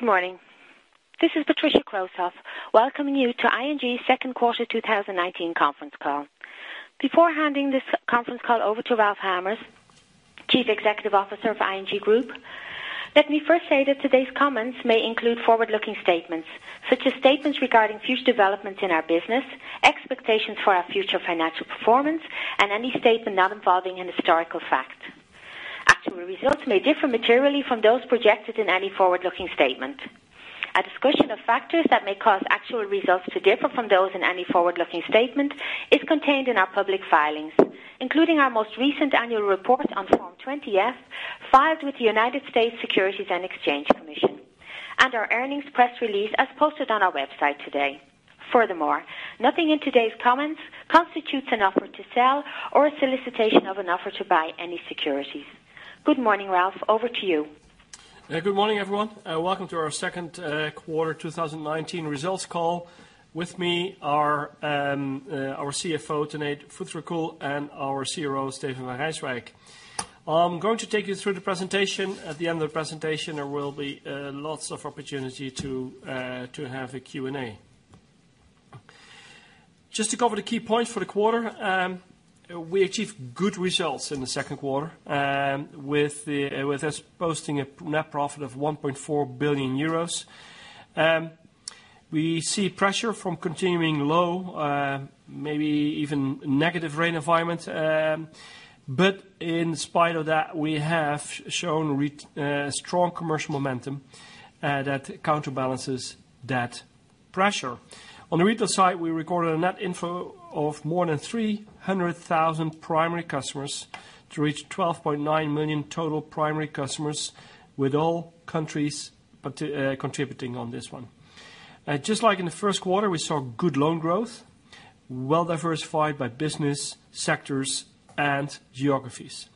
Good morning. This is Patricia Crosoff welcoming you to ING's second quarter 2019 conference call. Before handing this conference call over to Ralph Hamers, Chief Executive Officer of ING Group, let me first say that today's comments may include forward-looking statements, such as statements regarding future developments in our business, expectations for our future financial performance, and any statement not involving an historical fact. Actual results may differ materially from those projected in any forward-looking statement. A discussion of factors that may cause actual results to differ from those in any forward-looking statement is contained in our public filings, including our most recent annual report on Form 20-F filed with the United States Securities and Exchange Commission, and our earnings press release as posted on our website today. Furthermore, nothing in today's comments constitutes an offer to sell or a solicitation of an offer to buy any securities. Good morning, Ralph, over to you. Good morning, everyone. Welcome to our second quarter 2019 results call. With me are our CFO, Tanate Phutrakul, and our CRO, Steven van Rijswijk. I'm going to take you through the presentation. At the end of the presentation, there will be lots of opportunity to have a Q&A. Just to cover the key points for the quarter, we achieved good results in the second quarter, with us posting a net profit of 1.4 billion euros. We see pressure from continuing low, maybe even negative rate environments. In spite of that, we have shown strong commercial momentum that counterbalances that pressure. On the retail side, we recorded a net inflow of more than 300,000 primary customers to reach 12.9 million total primary customers with all countries contributing on this one. Just like in the first quarter, we saw good loan growth, well-diversified by business sectors and geographies.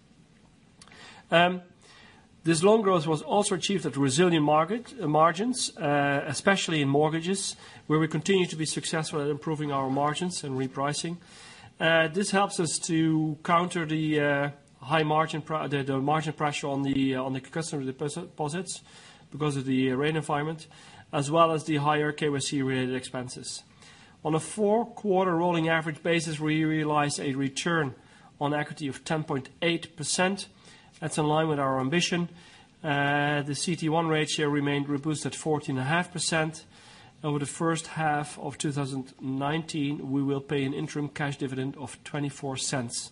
This loan growth was also achieved at resilient margins, especially in mortgages, where we continue to be successful at improving our margins and repricing. This helps us to counter the margin pressure on the customer deposits because of the rate environment, as well as the higher KYC-related expenses. On a four-quarter rolling average basis, we realize a return on equity of 10.8%. That's in line with our ambition. The CET1 ratio remained robust at 14.5%. Over the first half of 2019, we will pay an interim cash dividend of 0.24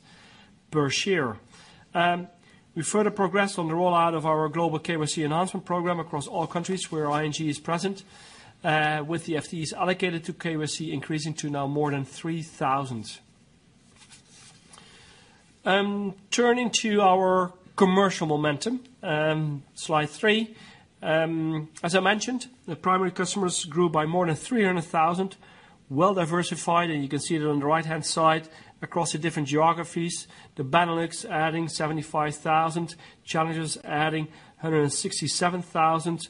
per share. We further progress on the rollout of our global KYC Enhancement Programme across all countries where ING is present, with the FTEs allocated to KYC increasing to now more than 3,000. Turning to our commercial momentum. Slide three. As I mentioned, the primary customers grew by more than 300,000, well diversified, and you can see that on the right-hand side across the different geographies, the Benelux adding 75,000, Challengers adding 167,000,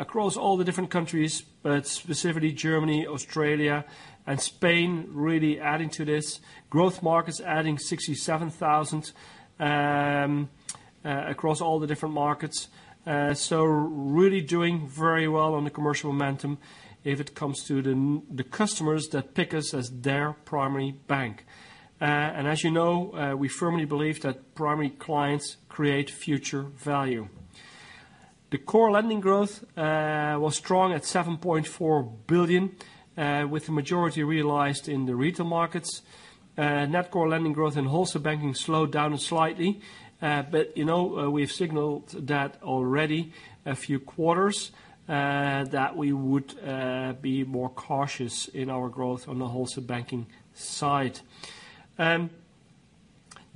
across all the different countries, but specifically Germany, Australia, and Spain, really adding to this. Growth markets adding 67,000 across all the different markets. Really doing very well on the commercial momentum if it comes to the customers that pick us as their primary bank. As you know, we firmly believe that primary clients create future value. The core lending growth was strong at 7.4 billion, with the majority realized in the retail markets. Net core lending growth in wholesale banking slowed down slightly. We've signaled that already a few quarters, that we would be more cautious in our growth on the wholesale banking side.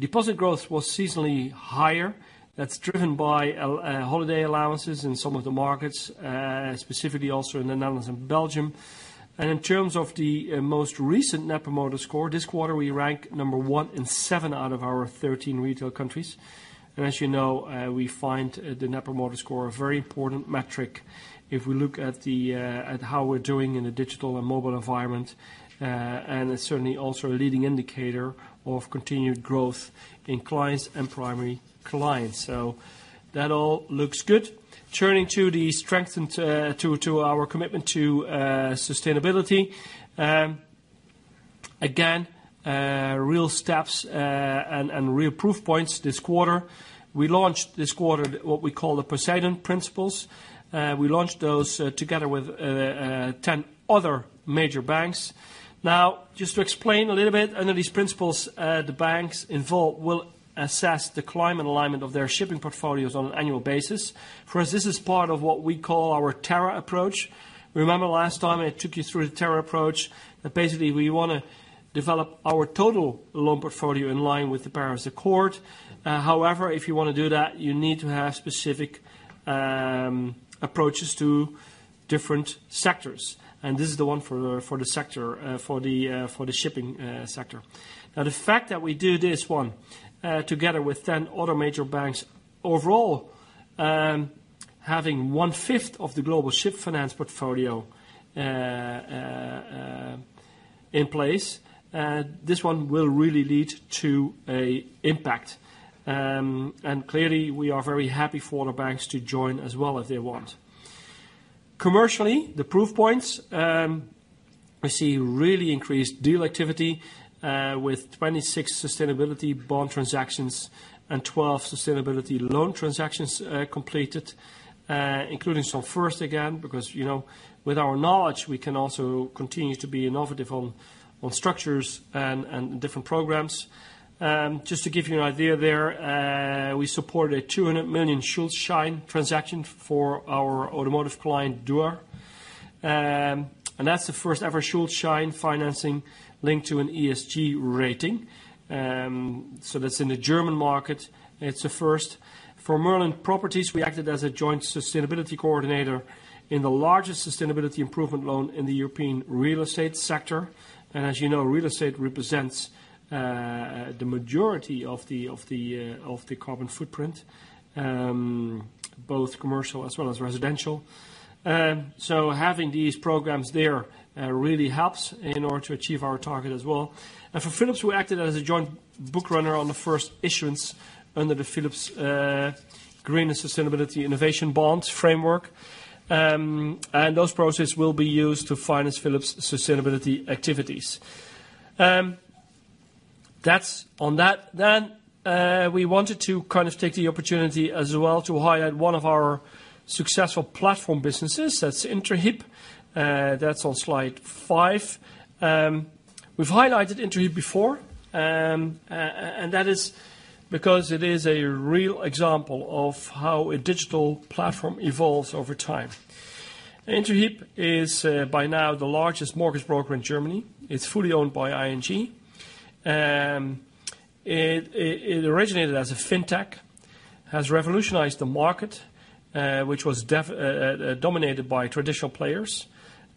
Deposit growth was seasonally higher. That's driven by holiday allowances in some of the markets, specifically also in the Netherlands and Belgium. In terms of the most recent Net Promoter Score, this quarter, we rank number one in seven out of our 13 retail countries. As you know, we find the Net Promoter Score a very important metric if we look at how we're doing in a digital and mobile environment. It's certainly also a leading indicator of continued growth in clients and primary clients. That all looks good. Turning to our commitment to sustainability. Again, real steps and real proof points this quarter. We launched this quarter what we call the Poseidon Principles. We launched those together with 10 other major banks. Just to explain a little bit, under these principles, the banks involved will assess the climate alignment of their shipping portfolios on an annual basis. For us, this is part of what we call our Terra approach. Remember last time I took you through the Terra approach, that basically we want to develop our total loan portfolio in line with the Paris Accord. If you want to do that, you need to have specific approaches to different sectors, and this is the one for the shipping sector. The fact that we do this one together with 10 other major banks, overall, having 1/5 of the global ship finance portfolio in place. This one will really lead to an impact. Clearly, we are very happy for other banks to join as well if they want. Commercially, the proof points, we see really increased deal activity with 26 sustainability bond transactions and 12 sustainability loan transactions completed, including some firsts again, because with our knowledge, we can also continue to be innovative on structures and different programs. Just to give you an idea there, we supported a 200 million Schuldschein transaction for our automotive client, Dürr. That's the first-ever Schuldschein financing linked to an ESG rating. That's in the German market. It's a first. For MERLIN Properties, we acted as a joint sustainability coordinator in the largest sustainability improvement loan in the European real estate sector. As you know, real estate represents the majority of the carbon footprint, both commercial as well as residential. Having these programs there really helps in order to achieve our target as well. For Philips, we acted as a joint book runner on the first issuance under the Philips Green & Sustainability Innovation Bonds Framework. Those proceeds will be used to finance Philips' sustainability activities. We wanted to take the opportunity as well to highlight one of our successful platform businesses. That's Interhyp. That's on slide five. We've highlighted Interhyp before, and that is because it is a real example of how a digital platform evolves over time. Interhyp is by now the largest mortgage broker in Germany. It's fully owned by ING. It originated as a fintech, has revolutionized the market, which was dominated by traditional players.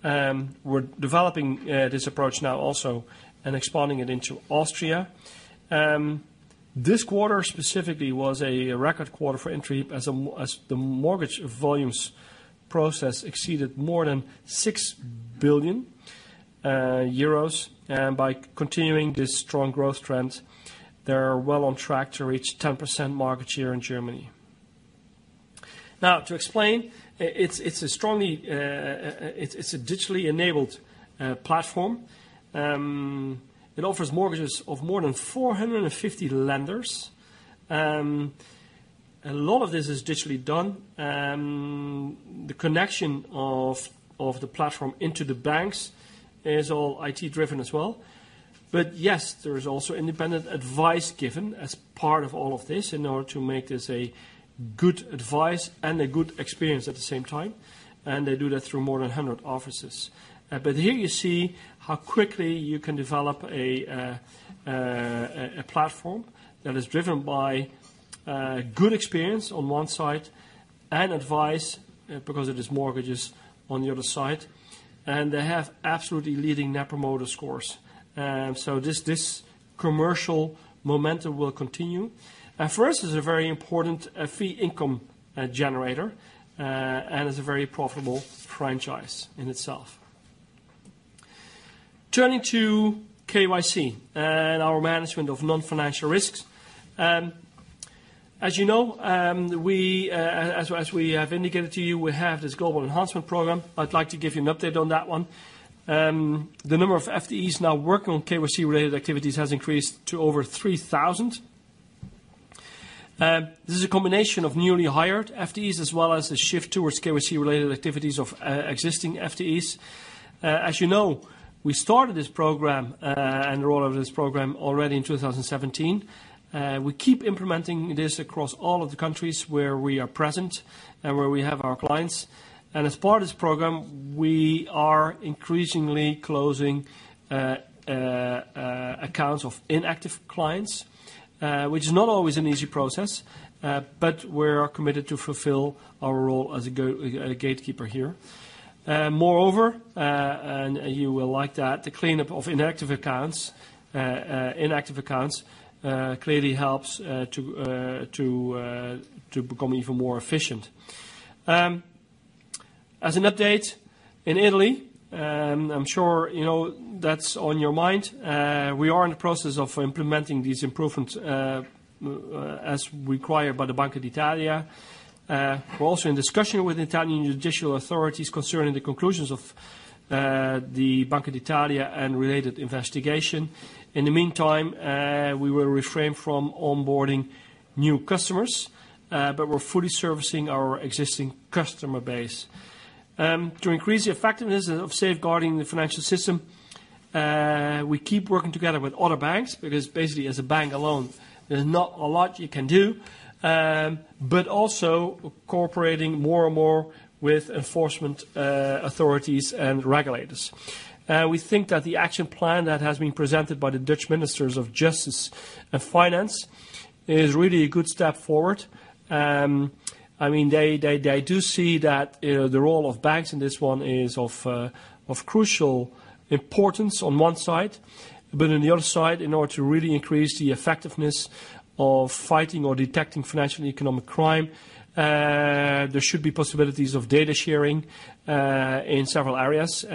We're developing this approach now also and expanding it into Austria. This quarter specifically was a record quarter for Interhyp as the mortgage volumes processed exceeded more than 6 billion euros. By continuing this strong growth trend, they are well on track to reach 10% market share in Germany. Now to explain, it's a digitally enabled platform. It offers mortgages of more than 450 lenders. A lot of this is digitally done. The connection of the platform into the banks is all IT-driven as well. Yes, there is also independent advice given as part of all of this in order to make this a good advice and a good experience at the same time, and they do that through more than 100 offices. Here you see how quickly you can develop a platform that is driven by good experience on one side and advice, because it is mortgages, on the other side, and they have absolutely leading Net Promoter Scores. This commercial momentum will continue. For us, it's a very important fee income generator, and it's a very profitable franchise in itself. Turning to KYC and our management of non-financial risks. As you know, as we have indicated to you, we have this global enhancement programme. I'd like to give you an update on that one. The number of FTEs now working on KYC-related activities has increased to over 3,000. This is a combination of newly hired FTEs as well as the shift towards KYC-related activities of existing FTEs. As you know, we started this program and the role of this program already in 2017. We keep implementing this across all of the countries where we are present and where we have our clients. As part of this program, we are increasingly closing accounts of inactive clients, which is not always an easy process, but we are committed to fulfill our role as a gatekeeper here. Moreover, and you will like that, the cleanup of inactive accounts clearly helps to become even more efficient. As an update in Italy, I'm sure that's on your mind, we are in the process of implementing these improvements as required by the Banca d'Italia. We're also in discussion with Italian judicial authorities concerning the conclusions of the Banca d'Italia and related investigation. In the meantime, we will refrain from onboarding new customers, but we're fully servicing our existing customer base. To increase the effectiveness of safeguarding the financial system, we keep working together with other banks, because basically as a bank alone, there is not a lot you can do, but also cooperating more and more with enforcement authorities and regulators. We think that the action plan that has been presented by the Dutch Ministers of Justice and Finance is really a good step forward. They do see that the role of banks in this one is of crucial importance on one side. On the other side, in order to really increase the effectiveness of fighting or detecting financial and economic crime, there should be possibilities of data sharing in several areas.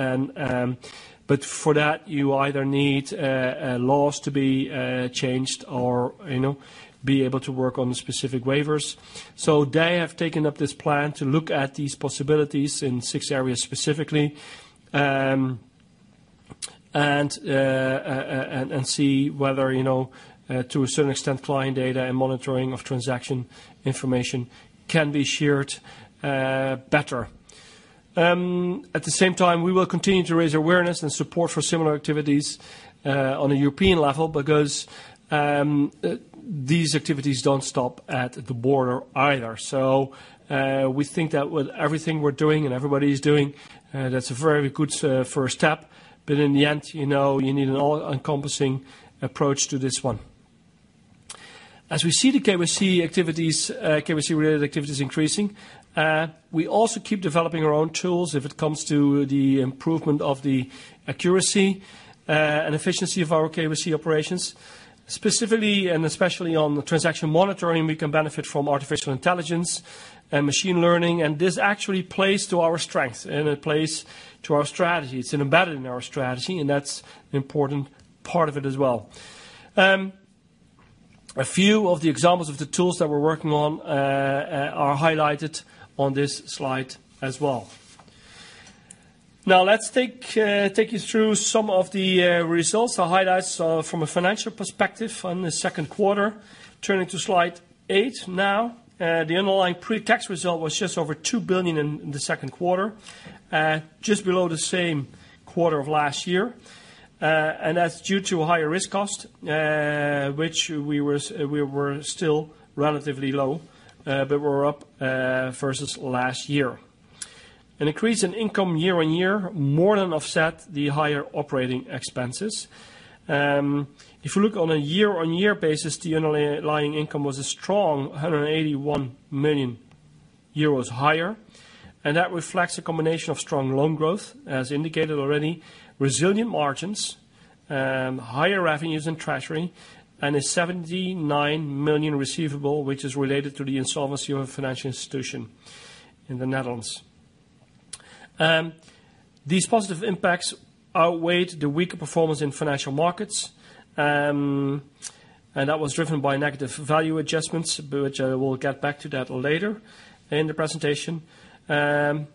For that, you either need laws to be changed or be able to work on specific waivers. They have taken up this plan to look at these possibilities in six areas specifically. See whether, to a certain extent, client data and monitoring of transaction information can be shared better. At the same time, we will continue to raise awareness and support for similar activities on a European level because these activities don't stop at the border either. We think that with everything we're doing and everybody's doing, that's a very good first step, but in the end, you need an all-encompassing approach to this one. As we see the KYC-related activities increasing, we also keep developing our own tools if it comes to the improvement of the accuracy and efficiency of our KYC operations. Specifically and especially on the transaction monitoring, we can benefit from artificial intelligence and machine learning, and this actually plays to our strengths and it plays to our strategy. It's embedded in our strategy, that's an important part of it as well. A few of the examples of the tools that we're working on are highlighted on this slide as well. Now, let's take you through some of the results or highlights from a financial perspective on the second quarter. Turning to slide eight now. The underlying pre-tax result was just over 2 billion in the second quarter, just below the same quarter of last year. That's due to a higher risk cost, which we were still relatively low, but we're up versus last year. An increase in income year-on-year more than offset the higher operating expenses. If you look on a year-on-year basis, the underlying income was a strong 181 million euros higher. That reflects a combination of strong loan growth, as indicated already, resilient margins, higher revenues in treasury, and a 79 million receivable, which is related to the insolvency of a financial institution in the Netherlands. These positive impacts outweighed the weaker performance in financial markets. That was driven by negative value adjustments, which I will get back to that later in the presentation. The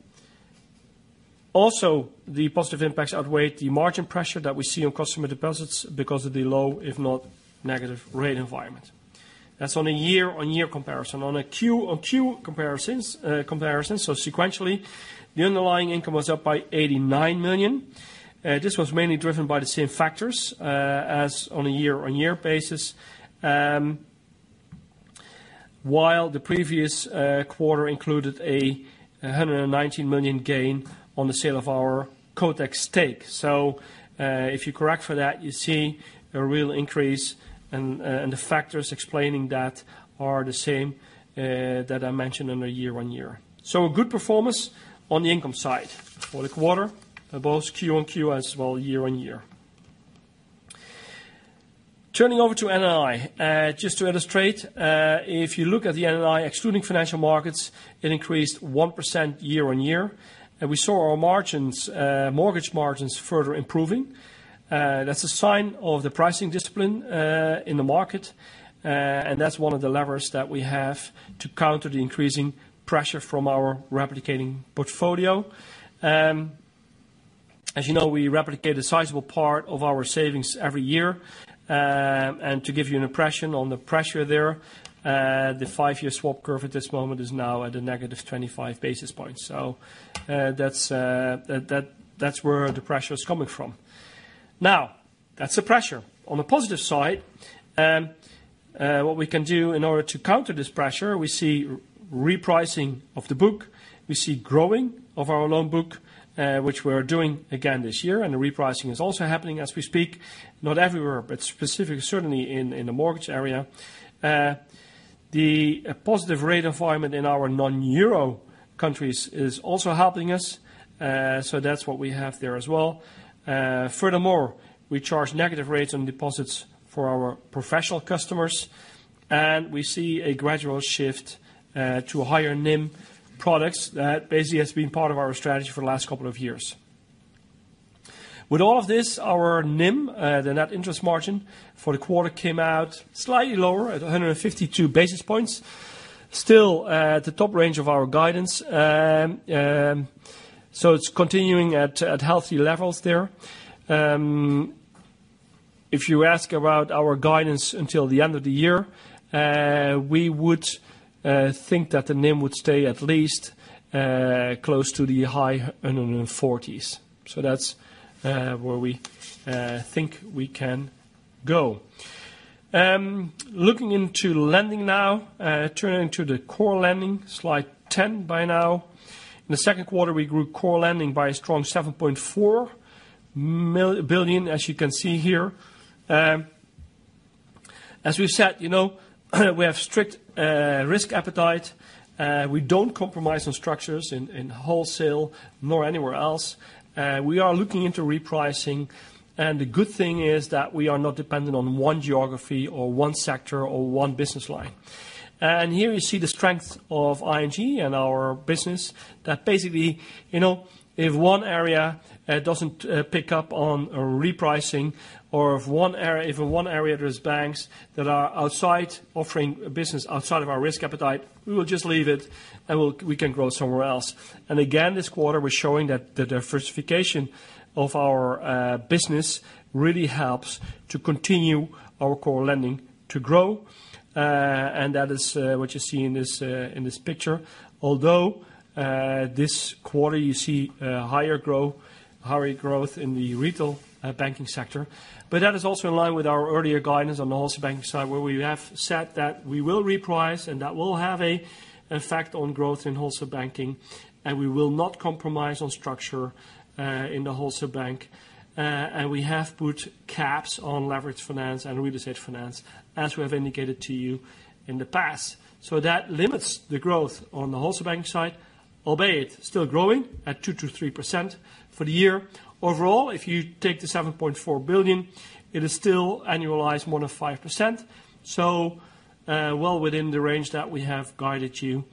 positive impacts outweigh the margin pressure that we see on customer deposits because of the low, if not negative, rate environment. That's on a year-on-year comparison. On a Q-on-Q comparison, so sequentially, the underlying income was up by 89 million. This was mainly driven by the same factors as on a year-on-year basis. While the previous quarter included a 119 million gain on the sale of our Kotak stake. If you correct for that, you see a real increase, and the factors explaining that are the same that I mentioned in the year-on-year. A good performance on the income side for the quarter, both Q-on-Q as well, year-on-year. Turning over to NII. Just to illustrate, if you look at the NII, excluding financial markets, it increased 1% year-on-year. We saw our mortgage margins further improving. That's a sign of the pricing discipline in the market, and that's one of the levers that we have to counter the increasing pressure from our replicating portfolio. As you know, we replicate a sizable part of our savings every year. To give you an impression on the pressure there, the five-year swap curve at this moment is now at a -25 basis points. That's where the pressure is coming from. That's the pressure. On the positive side, what we can do in order to counter this pressure, we see repricing of the book, we see growing of our loan book, which we are doing again this year, and the repricing is also happening as we speak, not everywhere, but specific, certainly in the mortgage area. The positive rate environment in our non-euro countries is also helping us. That's what we have there as well. Furthermore, we charge negative rates on deposits for our professional customers, and we see a gradual shift to higher NIM products that basically has been part of our strategy for the last couple of years. With all of this, our NIM, the net interest margin, for the quarter came out slightly lower at 152 basis points. Still at the top range of our guidance. It's continuing at healthy levels there. If you ask about our guidance until the end of the year, we would think that the NIM would stay at least close to the high 140s. That's where we think we can go. Looking into lending now. Turning to the core lending, slide 10 by now. In the second quarter, we grew core lending by a strong 7.4 billion, as you can see here. As we've said, we have strict risk appetite. We don't compromise on structures in wholesale nor anywhere else. We are looking into repricing. The good thing is that we are not dependent on one geography or one sector or one business line. Here we see the strength of ING and our business that basically, if one area doesn't pick up on repricing or if one area there's banks that are offering business outside of our risk appetite, we will just leave it and we can grow somewhere else. Again, this quarter we're showing that the diversification of our business really helps to continue our core lending to grow. That is what you see in this picture. Although, this quarter you see higher growth in the retail banking sector. That is also in line with our earlier guidance on the wholesale banking side, where we have said that we will reprice and that will have an effect on growth in wholesale banking, and we will not compromise on structure in the wholesale bank. We have put caps on leverage finance and real estate finance, as we have indicated to you in the past. That limits the growth on the wholesale banking side, albeit still growing at 2%-3% for the year. Overall, if you take the 7.4 billion, it is still annualized more than 5%. Well within the range that we have guided you,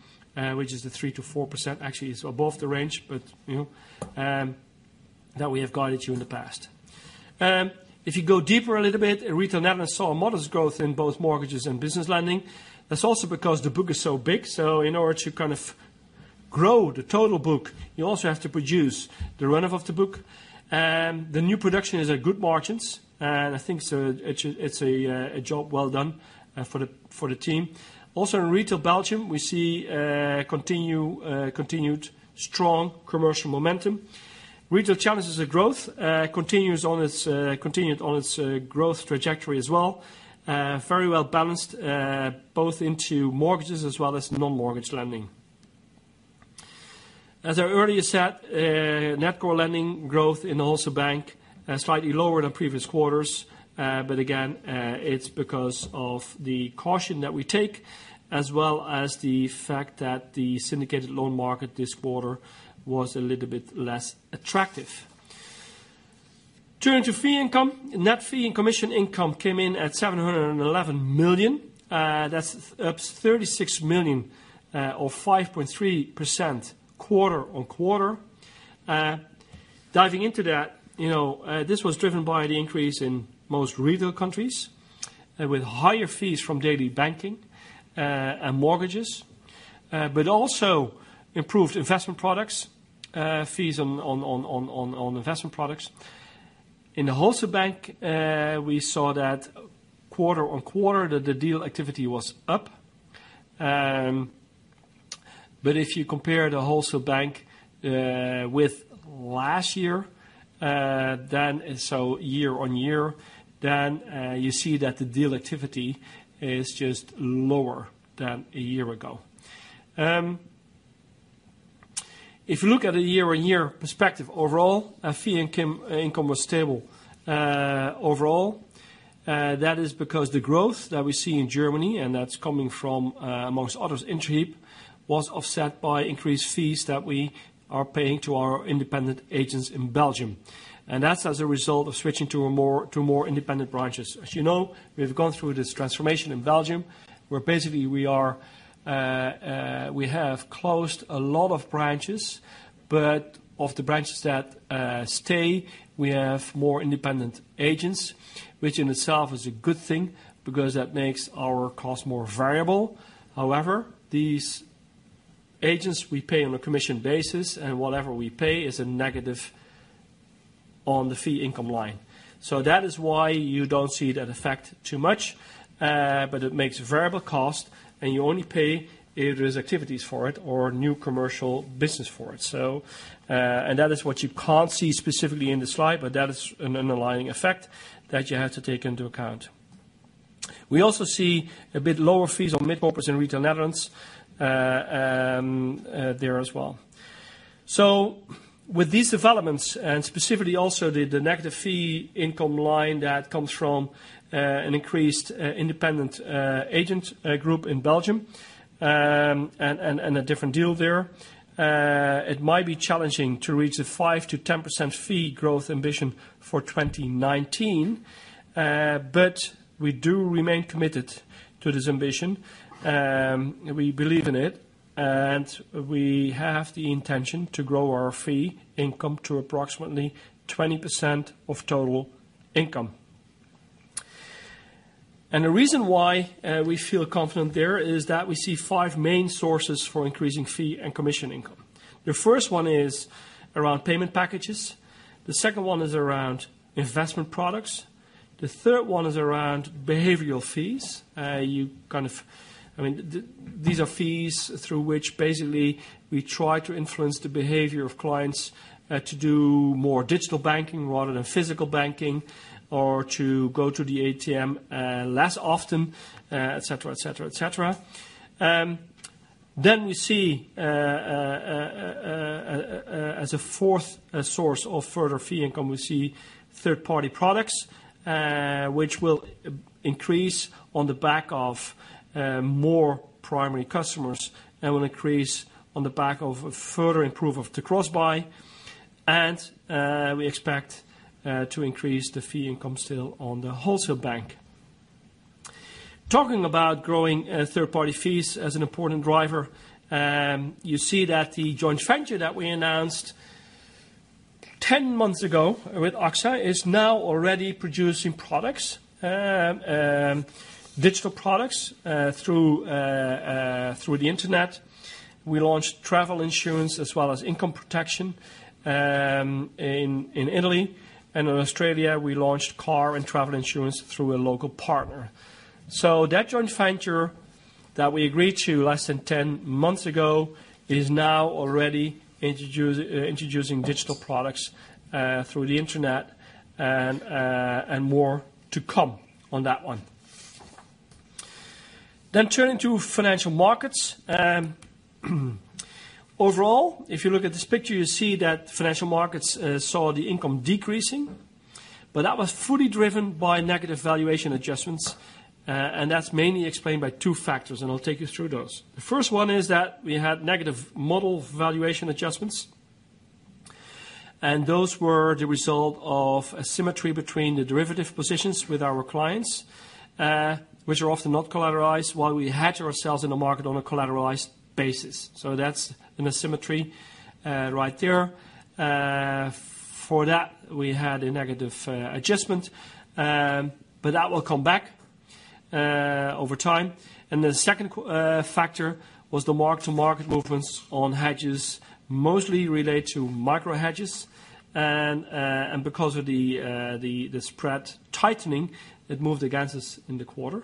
which is the 3%-4%. It is above the range that we have guided you in the past. If you go deeper a little bit, Retail Netherlands saw a modest growth in both mortgages and business lending. That's also because the book is so big. In order to kind of grow the total book, you also have to produce the runoff of the book. The new production is at good margins. I think it's a job well done for the team. Also in Retail Belgium, we see continued strong commercial momentum. Retail Challengers & Growth continued on its growth trajectory as well. Very well balanced both into mortgages as well as non-mortgage lending. As I earlier said, net core lending growth in the wholesale bank slightly lower than previous quarters. Again, it's because of the caution that we take, as well as the fact that the syndicated loan market this quarter was a little bit less attractive. Turning to fee income, net fee and commission income came in at 711 million. That's up 36 million or 5.3% quarter-on-quarter. Diving into that, this was driven by the increase in most retail countries, with higher fees from daily banking and mortgages, but also improved investment products, fees on investment products. In the wholesale bank, we saw that quarter-on-quarter, that the deal activity was up. If you compare the wholesale bank with last year, so year-on-year, you see that the deal activity is just lower than a year ago. If you look at a year-on-year perspective overall, our fee income was stable. Overall, that is because the growth that we see in Germany, and that's coming from amongst others Interhyp, was offset by increased fees that we are paying to our independent agents in Belgium. That's as a result of switching to more independent branches. As you know, we've gone through this transformation in Belgium, where basically we have closed a lot of branches, but of the branches that stay, we have more independent agents, which in itself is a good thing because that makes our costs more variable. However, these agents we pay on a commission basis, and whatever we pay is a negative on the fee income line. That is why you don't see that effect too much. It makes variable cost, and you only pay if there's activities for it or new commercial business for it. That is what you can't see specifically in the slide, but that is an underlying effect that you have to take into account. We also see a bit lower fees on mid-corporates in Retail Netherlands there as well. With these developments, and specifically also the negative fee income line that comes from an increased independent agent group in Belgium, and a different deal there, it might be challenging to reach the 5%-10% fee growth ambition for 2019. We do remain committed to this ambition. We believe in it, and we have the intention to grow our fee income to approximately 20% of total income. The reason why we feel confident there is that we see five main sources for increasing fee and commission income. The first one is around payment packages. The second one is around investment products. The third one is around behavioral fees. These are fees through which basically we try to influence the behavior of clients to do more digital banking rather than physical banking, or to go to the ATM less often, et cetera. We see as a fourth source of further fee income, we see third-party products, which will increase on the back of more primary customers and will increase on the back of a further improvement of the cross-buy. We expect to increase the fee income still on the wholesale bank. Talking about growing third-party fees as an important driver, you see that the joint venture that we announced 10 months ago with AXA is now already producing products, digital products through the internet. We launched travel insurance as well as income protection in Italy, and in Australia, we launched car and travel insurance through a local partner. That joint venture that we agreed to less than 10 months ago is now already introducing digital products through the internet, and more to come on that one. Turning to financial markets. Overall, if you look at this picture, you see that financial markets saw the income decreasing, but that was fully driven by negative valuation adjustments, and that's mainly explained by two factors, and I'll take you through those. The first one is that we had negative model valuation adjustments, and those were the result of asymmetry between the derivative positions with our clients, which are often not collateralized, while we hedge ourselves in the market on a collateralized basis. That's an asymmetry right there. For that, we had a negative adjustment. That will come back over time. The second factor was the mark-to-market movements on hedges, mostly related to micro hedges. Because of the spread tightening, it moved against us in the quarter.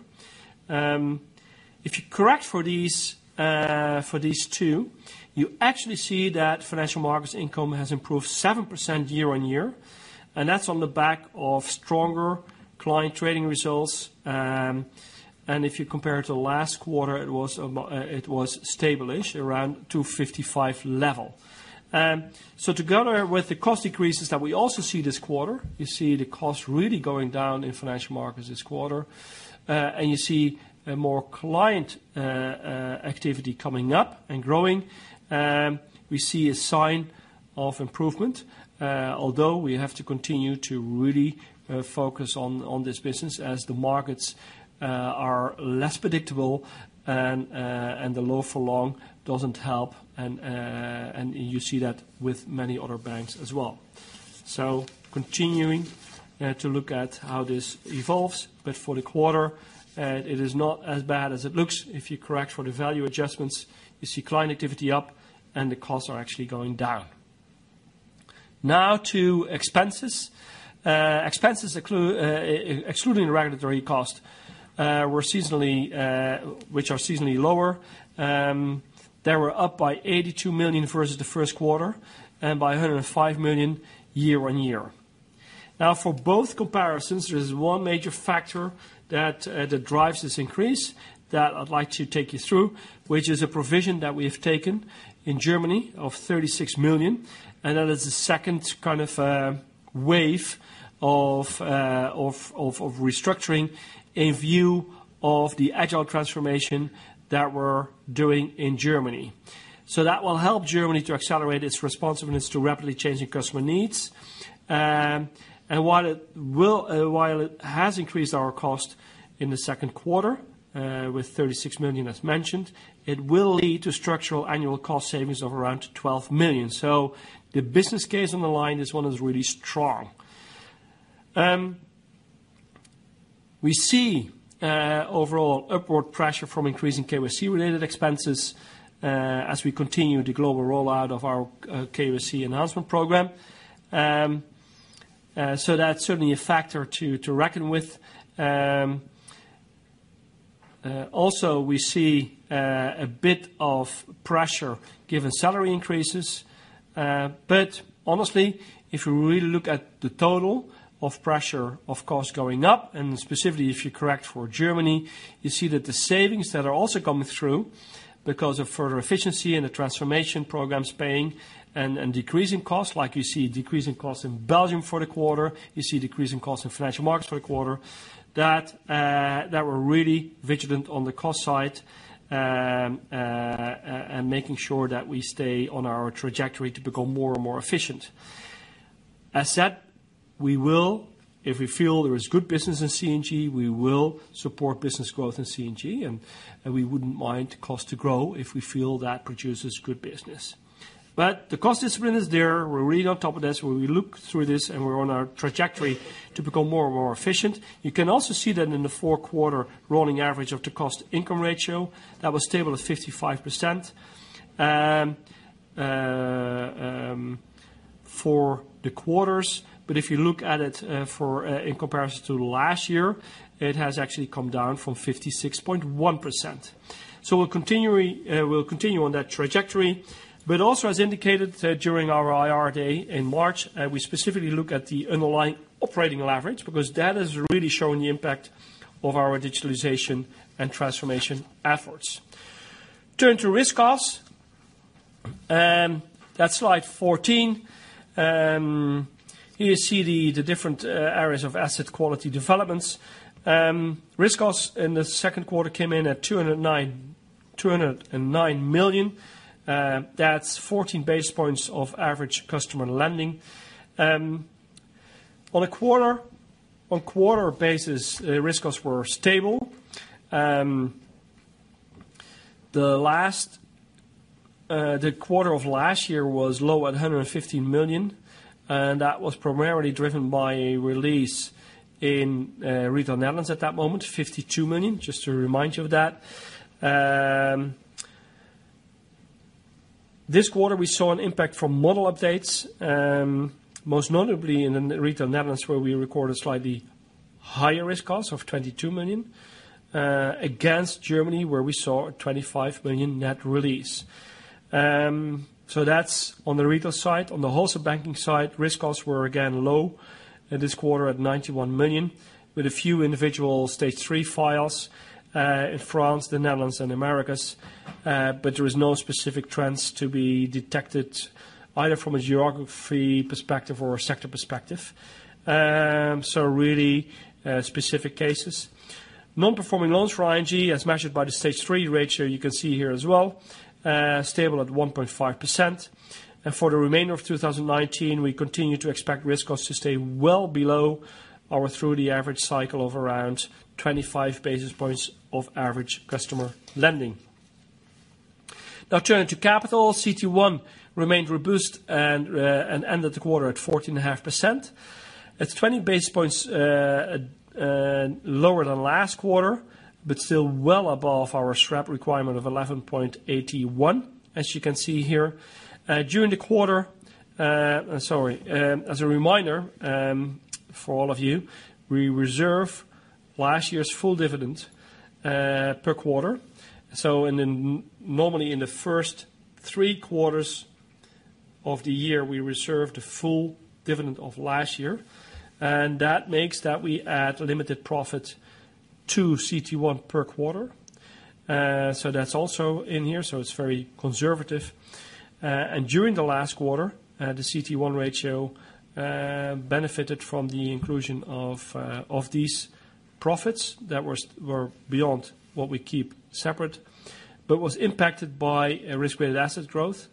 If you correct for these two, you actually see that financial markets income has improved 7% year-on-year, that's on the back of stronger client trading results. If you compare it to last quarter, it was stable-ish around 255 level. Together with the cost decreases that we also see this quarter, you see the cost really going down in financial markets this quarter, and you see more client activity coming up and growing. We see a sign of improvement, although we have to continue to really focus on this business as the markets are less predictable and the low-for-long doesn't help, and you see that with many other banks as well. Continuing to look at how this evolves, but for the quarter, it is not as bad as it looks. If you correct for the value adjustments, you see client activity up and the costs are actually going down. To expenses. Expenses, excluding regulatory costs, which are seasonally lower. They were up by 82 million versus the first quarter and by 105 million year-on-year. For both comparisons, there is one major factor that drives this increase that I'd like to take you through, which is a provision that we have taken in Germany of 36 million, and that is the second wave of restructuring in view of the agile transformation that we're doing in Germany. That will help Germany to accelerate its responsiveness to rapidly changing customer needs. While it has increased our cost in the second quarter, with 36 million as mentioned, it will lead to structural annual cost savings of around 12 million. The business case on the line, this one is really strong. We see overall upward pressure from increasing KYC-related expenses as we continue the global rollout of our KYC Enhancement Programme. That's certainly a factor to reckon with. Also, we see a bit of pressure given salary increases. Honestly, if we really look at the total of pressure of cost going up, and specifically if you correct for Germany, you see that the savings that are also coming through because of further efficiency in the transformation programs paying and decreasing costs, like you see a decrease in costs in Belgium for the quarter, you see decrease in costs in financial markets for the quarter, that we're really vigilant on the cost side and making sure that we stay on our trajectory to become more and more efficient. As said, if we feel there is good business in C&G, we will support business growth in C&G, and we wouldn't mind cost to grow if we feel that produces good business. The cost discipline is there. We're really on top of this, where we look through this and we're on our trajectory to become more and more efficient. You can also see that in the four quarter rolling average of the cost-income ratio, that was stable at 55% for the quarters. If you look at it in comparison to last year, it has actually come down from 56.1%. We'll continue on that trajectory, but also as indicated during our IR Day in March, we specifically look at the underlying operating leverage because that has really shown the impact of our digitalization and transformation efforts. Turn to risk costs. That's slide 14. You see the different areas of asset quality developments. Risk costs in the second quarter came in at 209 million. That's 14 basis points of average customer lending. On a quarter basis, risk costs were stable. The quarter of last year was low at 150 million, and that was primarily driven by a release in Retail Netherlands at that moment, 52 million, just to remind you of that. This quarter, we saw an impact from model updates, most notably in the Retail Netherlands, where we recorded slightly higher risk costs of 22 million against Germany, where we saw a 25 million net release. That's on the retail side. On the wholesale banking side, risk costs were again low this quarter at 91 million, with a few individual Stage 3 files, in France, the Netherlands, and Americas. There is no specific trends to be detected, either from a geography perspective or a sector perspective. Really specific cases. Non-performing loans for ING, as measured by the Stage 3 ratio you can see here as well, stable at 1.5%. For the remainder of 2019, we continue to expect risk costs to stay well below or through the average cycle of around 25 basis points of average customer lending. Turning to capital, CET1 remained robust and ended the quarter at 14.5%. It's 20 basis points lower than last quarter, but still well above our SREP requirement of 11.81%, as you can see here. During the quarter. Sorry. As a reminder for all of you, we reserve last year's full dividend per quarter. Normally in the first three quarters of the year, we reserve the full dividend of last year. That makes that we add limited profit to CET1 per quarter. That's also in here, so it's very conservative. During the last quarter, the CET1 ratio benefited from the inclusion of these profits that were beyond what we keep separate, but was impacted by risk-weighted asset growth,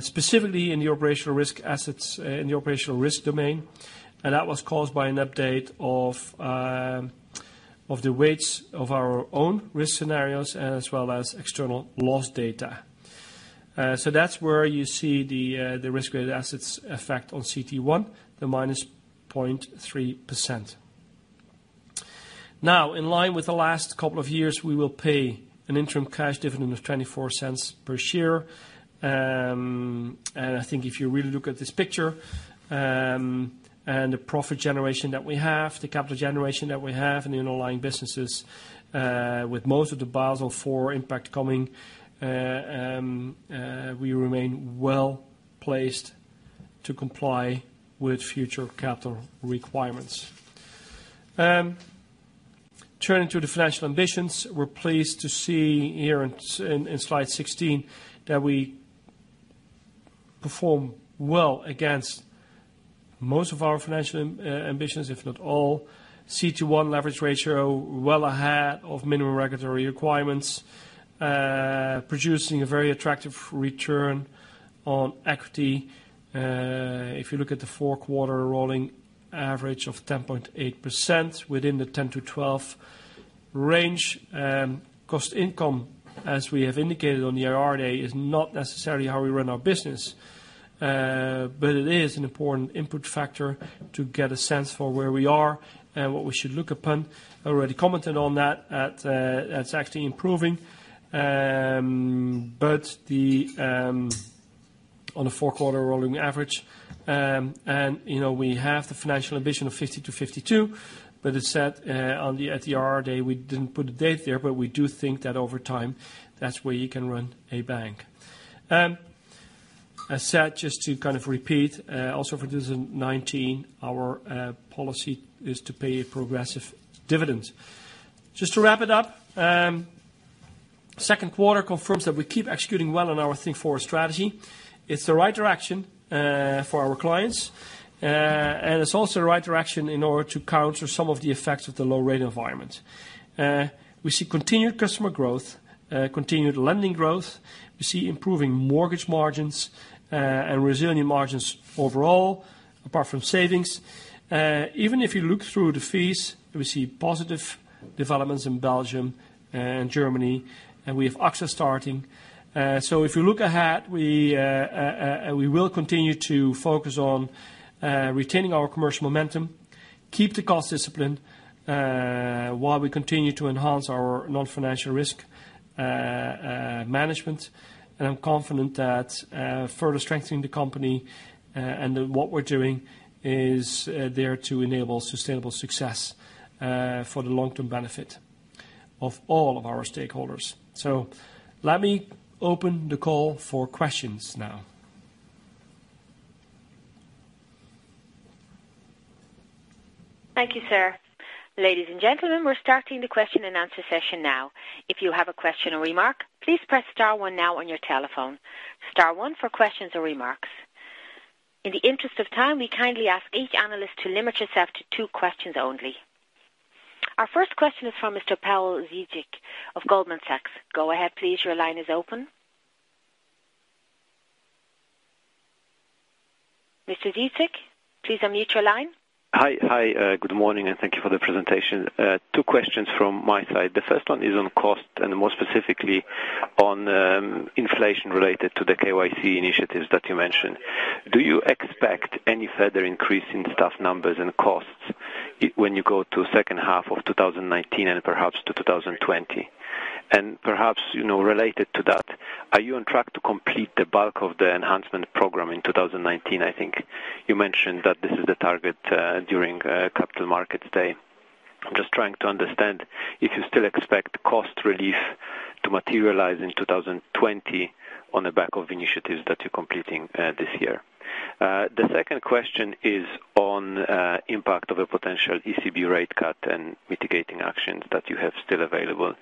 specifically in the operational risk domain. That was caused by an update of the weights of our own risk scenarios and as well as external loss data. That's where you see the risk-weighted assets effect on CET1, the -0.3%. Now, in line with the last couple of years, we will pay an interim cash dividend of 0.24 per share. I think if you really look at this picture, and the profit generation that we have, the capital generation that we have in the underlying businesses, with most of the Basel IV impact coming, we remain well-placed to comply with future capital requirements. Turning to the financial ambitions. We're pleased to see here in slide 16 that we perform well against most of our financial ambitions, if not all. CET1 leveraged ratio well ahead of minimum regulatory requirements, producing a very attractive return on equity. If you look at the four-quarter rolling average of 10.8% within the 10%-12% range. Cost income, as we have indicated on the IR Day, is not necessarily how we run our business, but it is an important input factor to get a sense for where we are and what we should look upon. I already commented on that's actually improving on the four-quarter rolling average. We have the financial ambition of 50%-52%, but it's set at the IR Day, we didn't put a date there, but we do think that over time, that's where you can run a bank. As said, just to repeat, also for 2019, our policy is to pay a progressive dividend. Just to wrap it up. Second quarter confirms that we keep executing well on our Think Forward strategy. It's the right direction for our clients, and it's also the right direction in order to counter some of the effects of the low rate environment. We see continued customer growth, continued lending growth. We see improving mortgage margins, and resilient margins overall, apart from savings. Even if you look through the fees, we see positive developments in Belgium and Germany. We have AXA starting. If you look ahead, we will continue to focus on retaining our commercial momentum, keep the cost disciplined, while we continue to enhance our non-financial risk management. I'm confident that further strengthening the company and what we're doing is there to enable sustainable success for the long-term benefit of all of our stakeholders. Let me open the call for questions now. Thank you, sir. Ladies and gentlemen, we are starting the question and answer session now. If you have a question or remark, please press star one now on your telephone. Star one for questions or remarks. In the interest of time, we kindly ask each analyst to limit yourself to two questions only. Our first question is from Mr. Pawel Dziedzic of Goldman Sachs. Go ahead, please. Your line is open. Mr. Dziedzic, please unmute your line. Hi. Good morning, and thank you for the presentation. Two questions from my side. The first one is on cost, and more specifically on inflation related to the KYC initiatives that you mentioned. Do you expect any further increase in staff numbers and costs when you go to second half of 2019 and perhaps to 2020? Perhaps related to that, are you on track to complete the bulk of the enhancement program in 2019? I think you mentioned that this is the target during Capital Markets Day. I'm just trying to understand if you still expect cost relief to materialize in 2020 on the back of initiatives that you're completing this year. The second question is on impact of a potential ECB rate cut and mitigating actions that you have still available.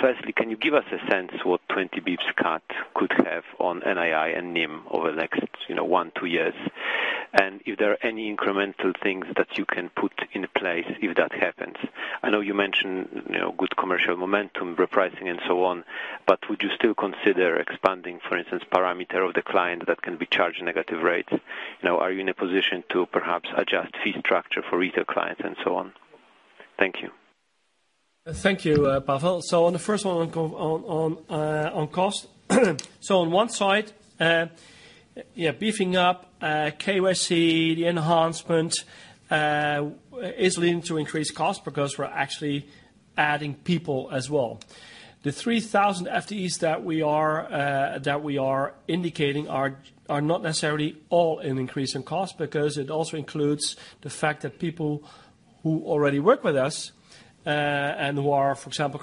Firstly, can you give us a sense what 20 bps cut could have on NII and NIM over the next one, two years? If there are any incremental things that you can put in place if that happens. I know you mentioned good commercial momentum, repricing, and so on, but would you still consider expanding, for instance, parameter of the client that can be charged negative rates? Are you in a position to perhaps adjust fee structure for retail clients and so on? Thank you. Thank you, Pawel. On the first one on cost. On one side, beefing up KYC, the enhancement, is leading to increased cost because we're actually adding people as well. The 3,000 FTEs that we are indicating are not necessarily all an increase in cost, because it also includes the fact that people who already work with us, and who are, for example,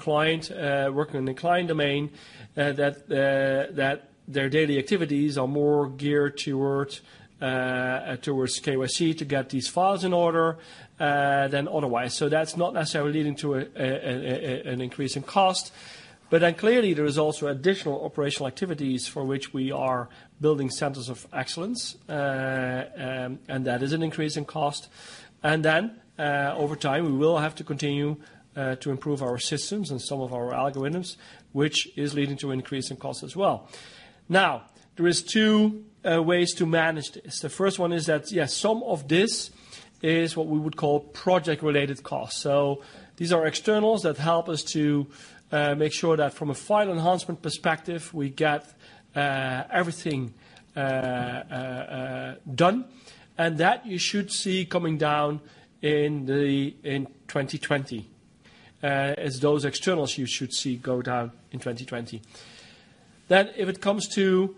working in the client domain, that their daily activities are more geared towards KYC to get these files in order than otherwise. That's not necessarily leading to an increase in cost. Clearly, there is also additional operational activities for which we are building centers of excellence, and that is an increase in cost. Over time, we will have to continue to improve our systems and some of our algorithms, which is leading to an increase in cost as well. There is two ways to manage this. The first one is that, yes, some of this is what we would call project-related costs. These are externals that help us to make sure that from a file enhancement perspective, we get everything done. That you should see coming down in 2020, as those externals you should see go down in 2020. If it comes to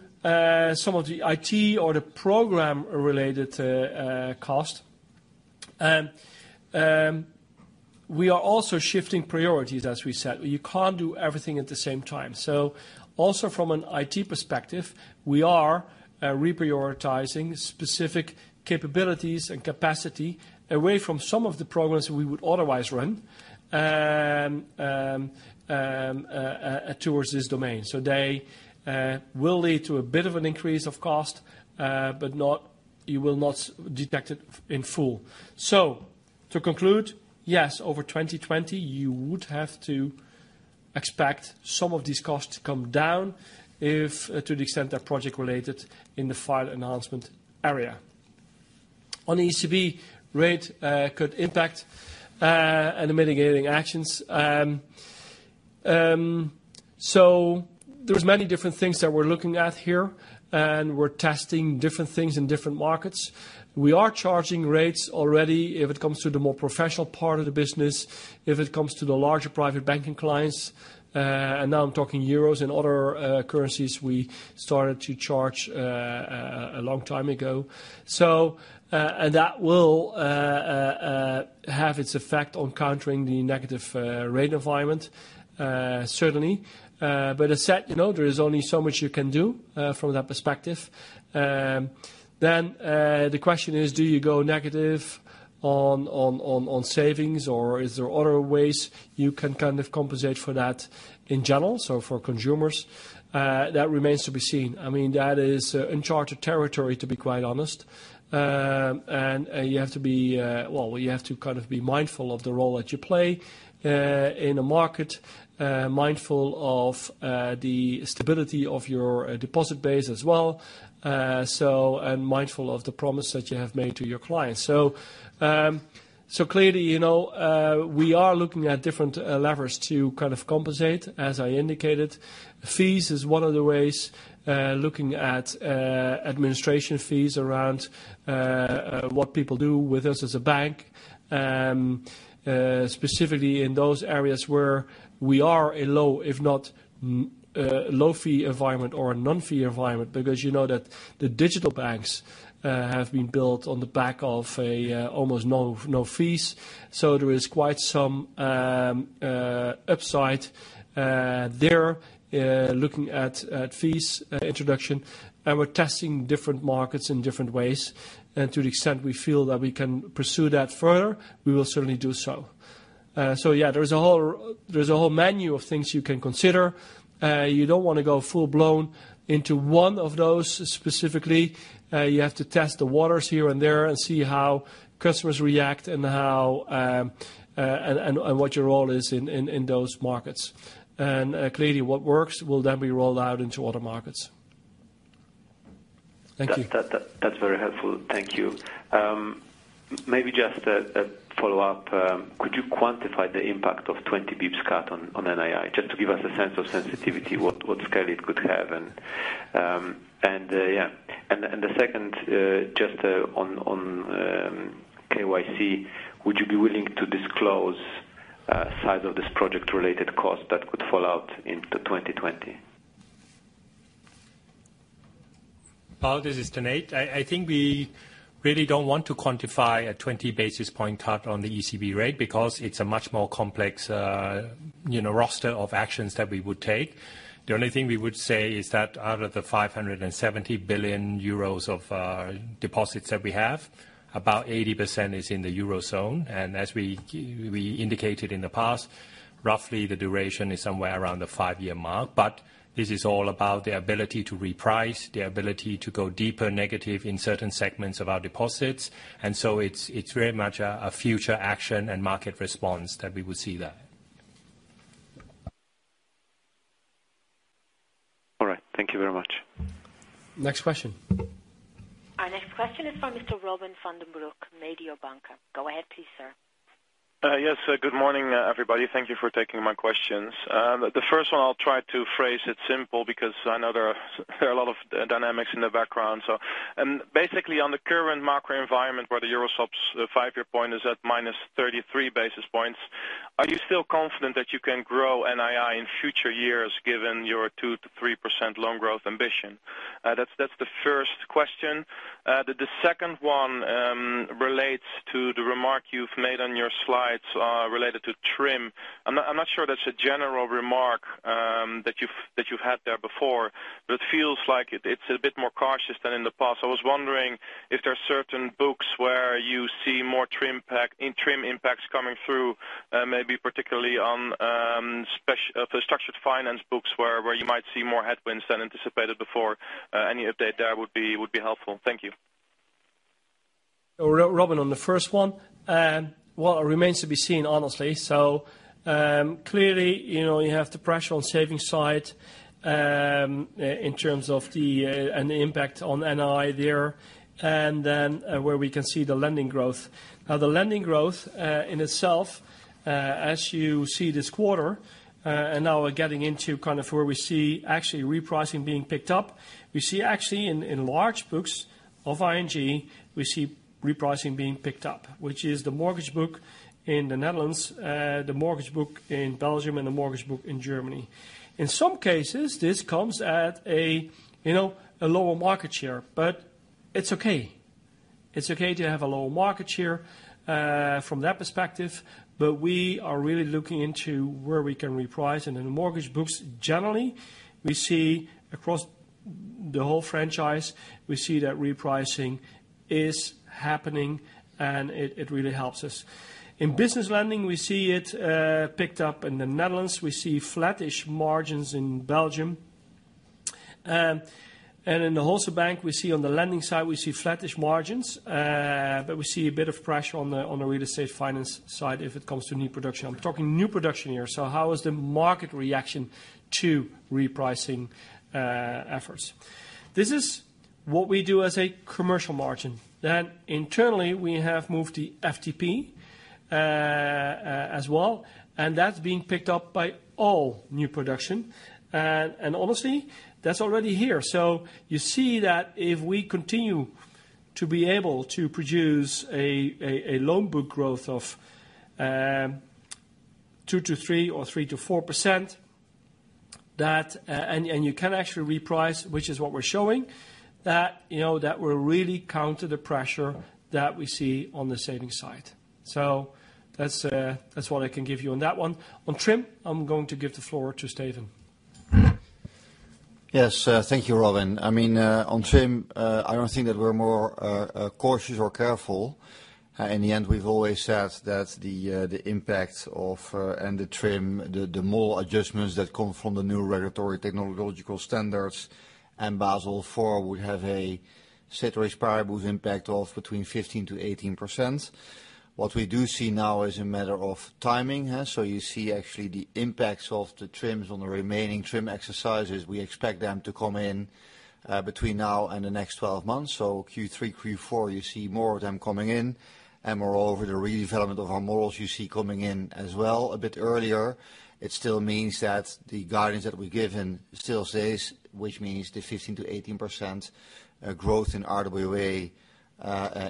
some of the IT or the program-related cost, we are also shifting priorities, as we said. You can't do everything at the same time. Also from an IT perspective, we are reprioritizing specific capabilities and capacity away from some of the programs we would otherwise run towards this domain. They will lead to a bit of an increase of cost, but you will not detect it in full. To conclude, yes, over 2020, you would have to expect some of these costs to come down if to the extent they're project-related in the file enhancement area. The ECB rate could impact and the mitigating actions. There's many different things that we're looking at here, and we're testing different things in different markets. We are charging rates already if it comes to the more professional part of the business, if it comes to the larger private banking clients. Now I'm talking euros. In other currencies, we started to charge a long time ago. That will have its effect on countering the negative rate environment, certainly. As said, there is only so much you can do from that perspective. The question is, do you go negative on savings, or is there other ways you can compensate for that in general, so for consumers? That remains to be seen. That is uncharted territory, to be quite honest. You have to be mindful of the role that you play in a market, mindful of the stability of your deposit base as well, and mindful of the promise that you have made to your clients. Clearly, we are looking at different levers to compensate, as I indicated. Fees is one of the ways, looking at administration fees around what people do with us as a bank, specifically in those areas where we are a low-fee environment or a non-fee environment, because you know that the digital banks have been built on the back of almost no fees. There is quite some upside there looking at fees introduction, and we're testing different markets in different ways. To the extent we feel that we can pursue that further, we will certainly do so. Yeah, there's a whole menu of things you can consider. You don't want to go full-blown into one of those specifically. You have to test the waters here and there and see how customers react and what your role is in those markets. Clearly, what works will then be rolled out into other markets. Thank you. That's very helpful. Thank you. Maybe just a follow-up. Could you quantify the impact of 20 bps cut on NII, just to give us a sense of sensitivity, what scale it could have and, yeah? The second, just on KYC, would you be willing to disclose size of this project-related cost that could fall out into 2020? Pawel, this is Tanate. I think we really don't want to quantify a 20 basis point cut on the ECB rate because it's a much more complex roster of actions that we would take. The only thing we would say is that out of the 570 billion euros of deposits that we have, about 80% is in the eurozone. As we indicated in the past, roughly the duration is somewhere around the five-year mark. This is all about the ability to reprice, the ability to go deeper negative in certain segments of our deposits. It's very much a future action and market response that we would see there. All right. Thank you very much. Next question. Our next question is from Mr. Robin van den Broek, Mediobanca. Go ahead please, sir. Yes. Good morning, everybody. Thank you for taking my questions. The first one, I'll try to phrase it simple because I know there are a lot of dynamics in the background. Basically on the current macro environment where the euro swap's five-year point is at -33 basis points, are you still confident that you can grow NII in future years given your 2%-3% loan growth ambition? That's the first question. The second one relates to the remark you've made on your slides related to TRIM. I'm not sure that's a general remark that you've had there before, but it feels like it's a bit more cautious than in the past. I was wondering if there are certain books where you see more TRIM impacts coming through, maybe particularly on the structured finance books, where you might see more headwinds than anticipated before. Any update there would be helpful. Thank you. Robin, on the first one, well, it remains to be seen, honestly. Clearly, you have the pressure on saving side in terms of the impact on NII there, where we can see the lending growth. The lending growth in itself, as you see this quarter, we're getting into where we see actually repricing being picked up. We see actually in large books of ING, we see repricing being picked up, which is the mortgage book in the Netherlands, the mortgage book in Belgium, and the mortgage book in Germany. In some cases, this comes at a lower market share, it's okay. It's okay to have a lower market share from that perspective, we are really looking into where we can reprice. In the mortgage books, generally, we see across the whole franchise, we see that repricing is happening, and it really helps us. In business lending, we see it picked up in the Netherlands. We see flattish margins in Belgium. In the wholesale bank, we see on the lending side, we see flattish margins, but we see a bit of pressure on the real estate finance side if it comes to new production. I'm talking new production here. How is the market reaction to repricing efforts? This is what we do as a commercial margin. Internally, we have moved the FTP as well, and that's being picked up by all new production. Honestly, that's already here. You see that if we continue to be able to produce a loan book growth of 2%-3% or 3%-4%, and you can actually reprice, which is what we're showing, that will really counter the pressure that we see on the savings side. That's what I can give you on that one. On TRIM, I'm going to give the floor to Steven. Yes. Thank you, Robin. On TRIM, I don't think that we're more cautious or careful. In the end, we've always said that the impact of and the TRIM, the model adjustments that come from the new regulatory technological standards and Basel IV would have a set risk-parable impact of between 15%-18%. What we do see now is a matter of timing. You see actually the impacts of the TRIMs on the remaining TRIM exercises. We expect them to come in between now and the next 12 months. Q3, Q4, you see more of them coming in. Moreover, the redevelopment of our models you see coming in as well a bit earlier. It still means that the guidance that we've given still says, which means the 15%-18% growth in RWA,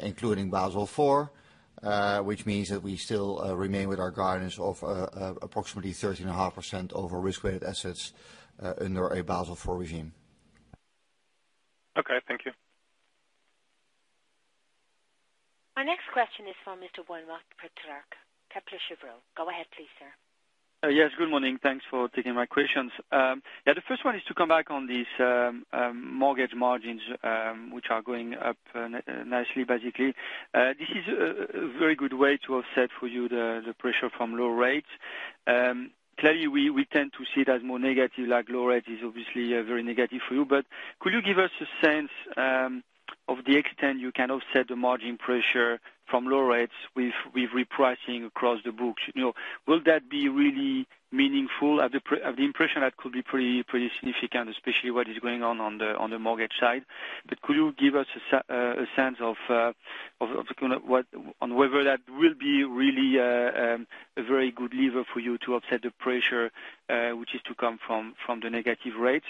including Basel IV, which means that we still remain with our guidance of approximately 13.5% over risk-weighted assets under a Basel IV regime. Okay, thank you. Our next question is from Mr. Benoît Pétrarque, Kepler Cheuvreux. Go ahead please, sir. Yes, good morning. Thanks for taking my questions. The first one is to come back on these mortgage margins, which are going up nicely, basically. This is a very good way to offset for you the pressure from low rates. Clearly, we tend to see it as more negative, like low rate is obviously very negative for you. Could you give us a sense of the extent you can offset the margin pressure from low rates with repricing across the books? Will that be really meaningful? I have the impression that could be pretty significant, especially what is going on the mortgage side. Could you give us a sense of whether that will be really a very good lever for you to offset the pressure, which is to come from the negative rates.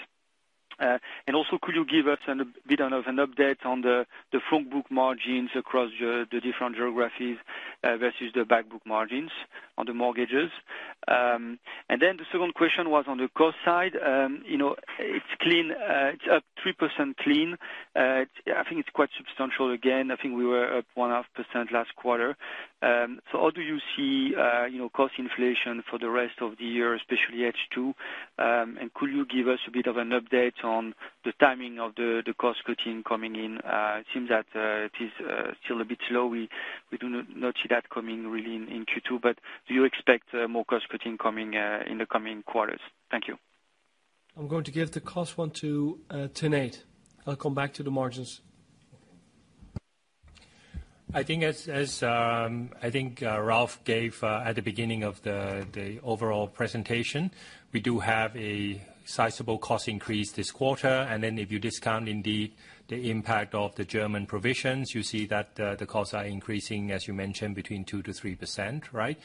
Also, could you give us a bit of an update on the front book margins across the different geographies versus the back book margins on the mortgages? The second question was on the cost side. It's up 3% clean. I think it's quite substantial again. I think we were up 1.5% last quarter. How do you see cost inflation for the rest of the year, especially H2? Could you give us a bit of an update on the timing of the cost cutting coming in? It seems that it is still a bit slow. We do not see that coming really in Q2, but do you expect more cost cutting coming in the coming quarters? Thank you. I'm going to give the cost one to Tanate. I'll come back to the margins. I think Ralph gave at the beginning of the overall presentation, we do have a sizable cost increase this quarter. If you discount indeed the impact of the German provisions, you see that the costs are increasing, as you mentioned, between 2%-3%. Right?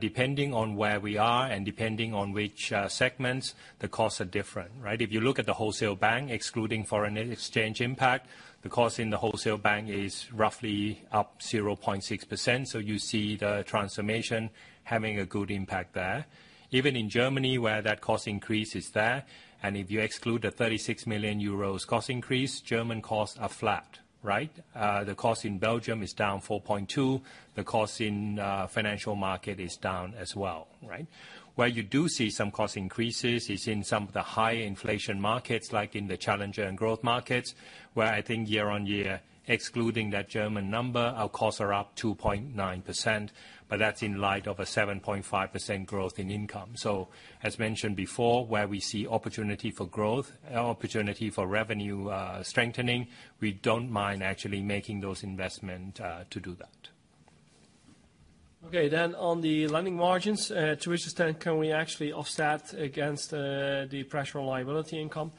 Depending on where we are and depending on which segments, the costs are different, right? If you look at the wholesale bank, excluding foreign exchange impact, the cost in the wholesale bank is roughly up 0.6%. You see the transformation having a good impact there. Even in Germany, where that cost increase is there, and if you exclude the 36 million euros cost increase, German costs are flat. Right? The cost in Belgium is down 4.2%. The cost in financial market is down as well. Right? Where you do see some cost increases is in some of the high inflation markets, like in the Challengers & Growth Markets, where I think year-on-year, excluding that German number, our costs are up 2.9%, but that's in light of a 7.5% growth in income. As mentioned before, where we see opportunity for growth, opportunity for revenue strengthening, we don't mind actually making those investment to do that. Okay, on the lending margins, to which extent can we actually offset against the pressure on liability income?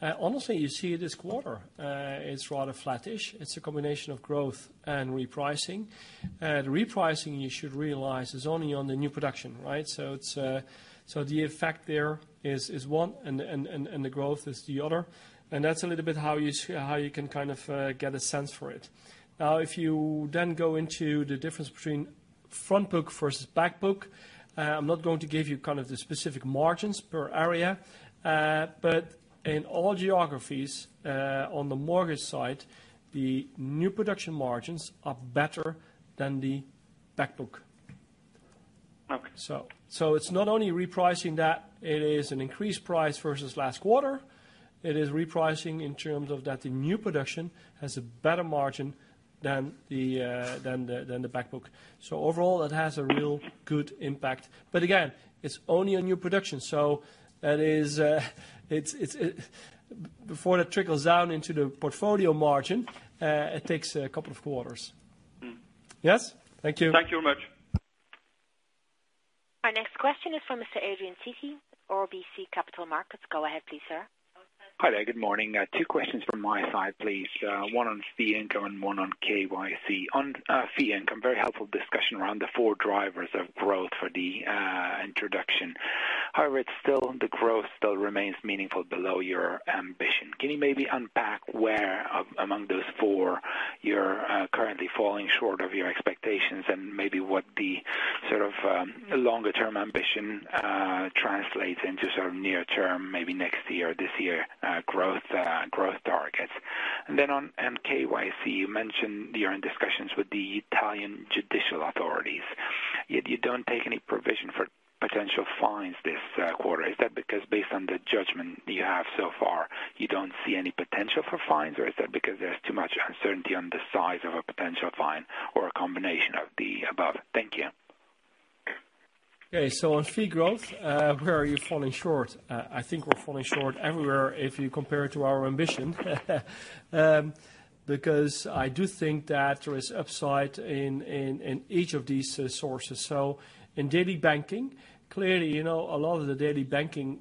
Honestly, you see it this quarter. It's rather flattish. It's a combination of growth and repricing. The repricing, you should realize, is only on the new production, right? The effect there is one, and the growth is the other. That's a little bit how you can kind of get a sense for it. Now, if you then go into the difference between front book versus back book, I'm not going to give you the specific margins per area. In all geographies, on the mortgage side, the new production margins are better than the back book. Okay. It's not only repricing that it is an increased price versus last quarter, it is repricing in terms of that the new production has a better margin than the back book. Overall, it has a real good impact. Again, it's only on new production, so before that trickles down into the portfolio margin, it takes a couple of quarters. Yes? Thank you. Thank you very much. Our next question is from Mr. Adrian Cighi, RBC Capital Markets. Go ahead please, sir. Hi there. Good morning. Two questions from my side, please. One on fee income and one on KYC. On fee income, very helpful discussion around the four drivers of growth for the introduction. The growth still remains meaningful below your ambition. Can you maybe unpack where, among those four, you're currently falling short of your expectations and maybe what the sort of longer term ambition translates into sort of near term, maybe next year, this year growth targets? On KYC, you mentioned you're in discussions with the Italian judicial authorities, yet you don't take any provision for potential fines this quarter. Is that because based on the judgment you have so far, you don't see any potential for fines, or is that because there's too much uncertainty on the size of a potential fine or a combination of the above? Thank you. Okay, on fee growth, where are you falling short? I think we're falling short everywhere if you compare it to our ambition. I do think that there is upside in each of these sources. In daily banking, clearly, a lot of the daily banking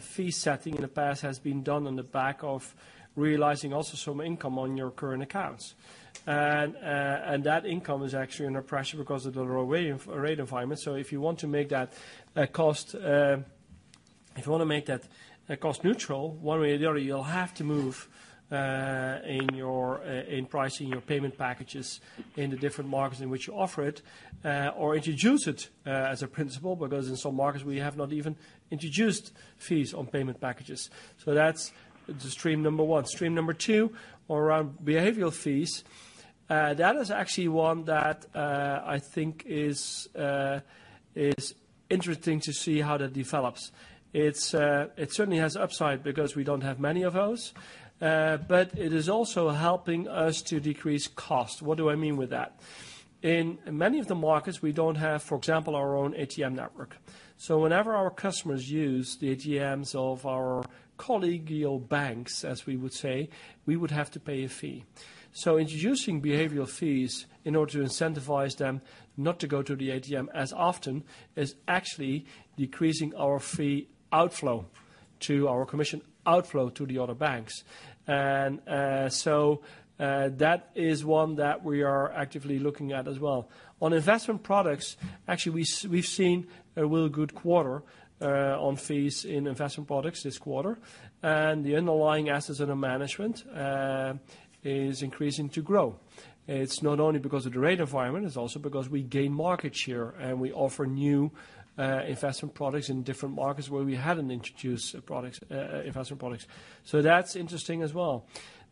fee setting in the past has been done on the back of realizing also some income on your current accounts. That income is actually under pressure because of the low rate environment. If you want to make that cost neutral, one way or the other, you'll have to move in pricing your payment packages in the different markets in which you offer it or introduce it as a principle, because in some markets, we have not even introduced fees on payment packages. That's the stream number one. Stream number two are around behavioral fees. That is actually one that I think is interesting to see how that develops. It certainly has upside because we don't have many of those, but it is also helping us to decrease cost. What do I mean with that? In many of the markets, we don't have, for example, our own ATM network. Whenever our customers use the ATMs of our collegial banks, as we would say, we would have to pay a fee. Introducing behavioral fees in order to incentivize them not to go to the ATM as often is actually decreasing our fee outflow to our commission outflow to the other banks. That is one that we are actively looking at as well. On investment products, actually, we've seen a real good quarter on fees in investment products this quarter. The underlying assets under management is increasing to grow. It's not only because of the rate environment, it's also because we gain market share, and we offer new investment products in different markets where we hadn't introduced investment products. That's interesting as well.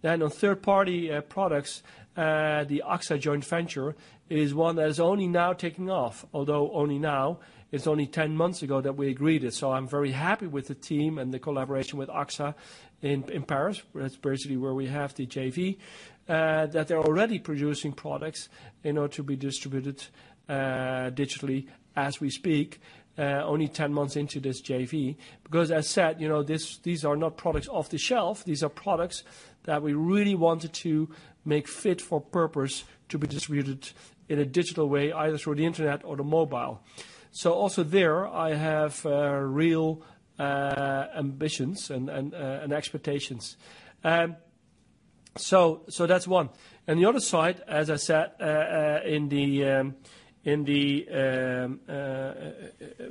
On third-party products, the AXA joint venture is one that is only now taking off, although only now, it's only 10 months ago that we agreed it. I'm very happy with the team and the collaboration with AXA in Paris. That's basically where we have the JV, that they're already producing products in order to be distributed digitally as we speak, only 10 months into this JV. Because as I said, these are not products off the shelf. These are products that we really wanted to make fit for purpose to be distributed in a digital way, either through the internet or the mobile. Also there, I have real ambitions and expectations. That's one. The other side, as I said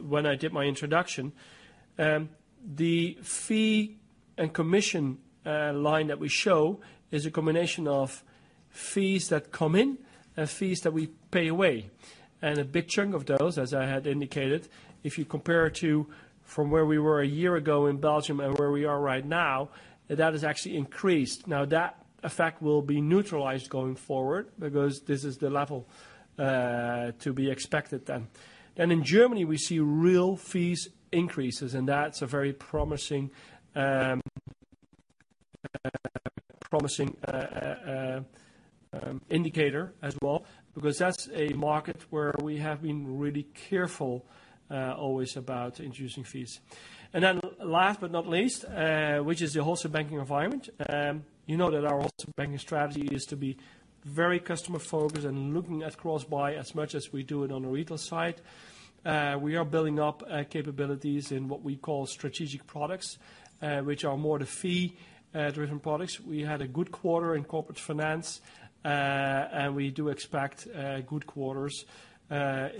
when I did my introduction, the fee and commission line that we show is a combination of fees that come in and fees that we pay away. A big chunk of those, as I had indicated, if you compare to from where we were a year ago in Belgium and where we are right now, that has actually increased. Now, that effect will be neutralized going forward because this is the level to be expected then. In Germany, we see real fees increases, and that's a very promising indicator as well, because that's a market where we have been really careful always about introducing fees. Last but not least, which is the wholesale banking environment. You know that our wholesale banking strategy is to be very customer-focused and looking at cross-buy as much as we do it on the retail side. We are building up capabilities in what we call strategic products, which are more the fee-driven products. We had a good quarter in corporate finance, and we do expect good quarters,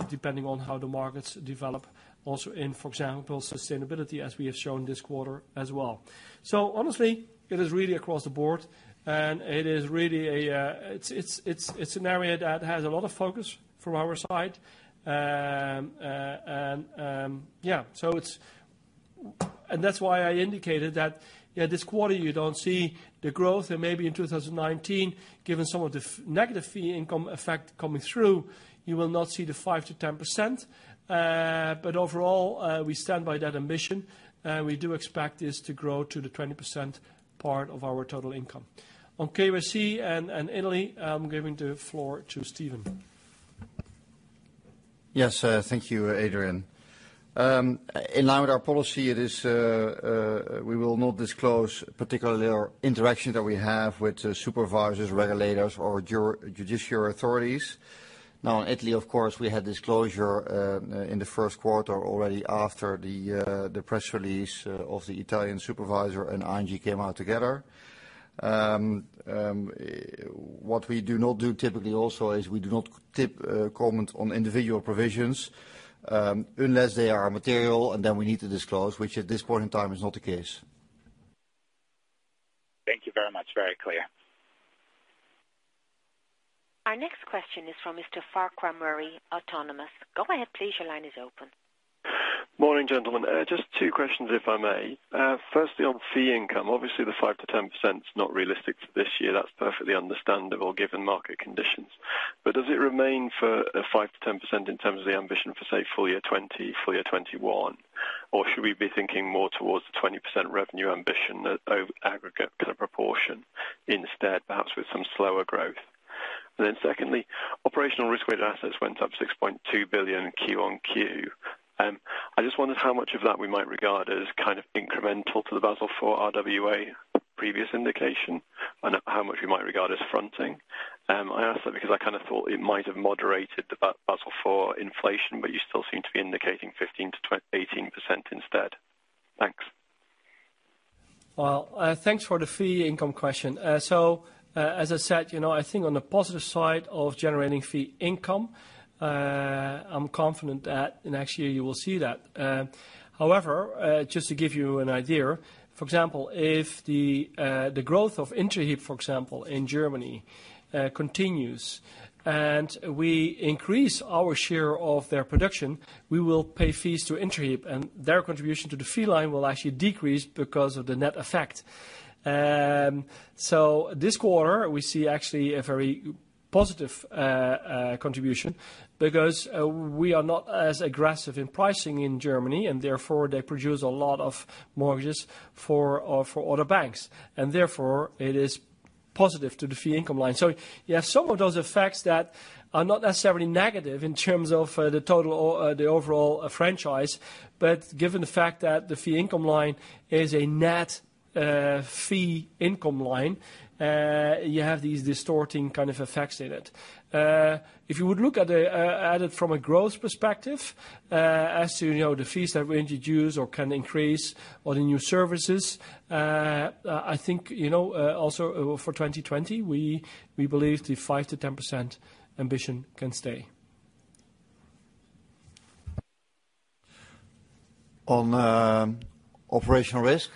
depending on how the markets develop also in, for example, sustainability, as we have shown this quarter as well. Honestly, it is really across the board, and it's an area that has a lot of focus from our side. That's why I indicated that this quarter you don't see the growth and maybe in 2019, given some of the negative fee income effect coming through, you will not see the 5%-10%. Overall, we stand by that ambition. We do expect this to grow to the 20% part of our total income. On KYC and Italy, I'm giving the floor to Steven. Yes. Thank you, Adrian. In line with our policy, we will not disclose particular interactions that we have with supervisors, regulators, or judicial authorities. In Italy, of course, we had disclosure in the first quarter already after the press release of the Italian supervisor and ING came out together. What we do not do typically also is we do not comment on individual provisions unless they are material and then we need to disclose, which at this point in time is not the case. Thank you very much. Very clear. Our next question is from Mr. Farquhar Murray, Autonomous. Go ahead, please. Your line is open. Morning, gentlemen. Just two questions, if I may. Firstly, on fee income, obviously the 5%-10% is not realistic for this year. That's perfectly understandable given market conditions. Does it remain for the 5%-10% in terms of the ambition for, say, full year 2020, full year 2021? Or should we be thinking more towards the 20% revenue ambition aggregate kind of proportion instead, perhaps with some slower growth? Secondly, operational risk-weighted assets went up 6.2 billion Q-on-Q. I just wondered how much of that we might regard as kind of incremental to the Basel IV RWA previous indication, and how much we might regard as fronting. I ask that because I kind of thought it might have moderated the Basel IV inflation, but you still seem to be indicating 15%-18% instead. Thanks. Thanks for the fee income question. As I said, I think on the positive side of generating fee income, I'm confident that in next year you will see that. However, just to give you an idea, for example, if the growth of Interhyp, for example, in Germany continues and we increase our share of their production, we will pay fees to Interhyp, and their contribution to the fee line will actually decrease because of the net effect. This quarter, we see actually a very positive contribution because we are not as aggressive in pricing in Germany, and therefore they produce a lot of mortgages for other banks, and therefore it is positive to the fee income line. You have some of those effects that are not necessarily negative in terms of the overall franchise, but given the fact that the fee income line is a net fee income line, you have these distorting kind of effects in it. If you would look at it from a growth perspective, as you know, the fees that we introduce or can increase or the new services, I think, also for 2020, we believe the 5%-10% ambition can stay. On operational risk,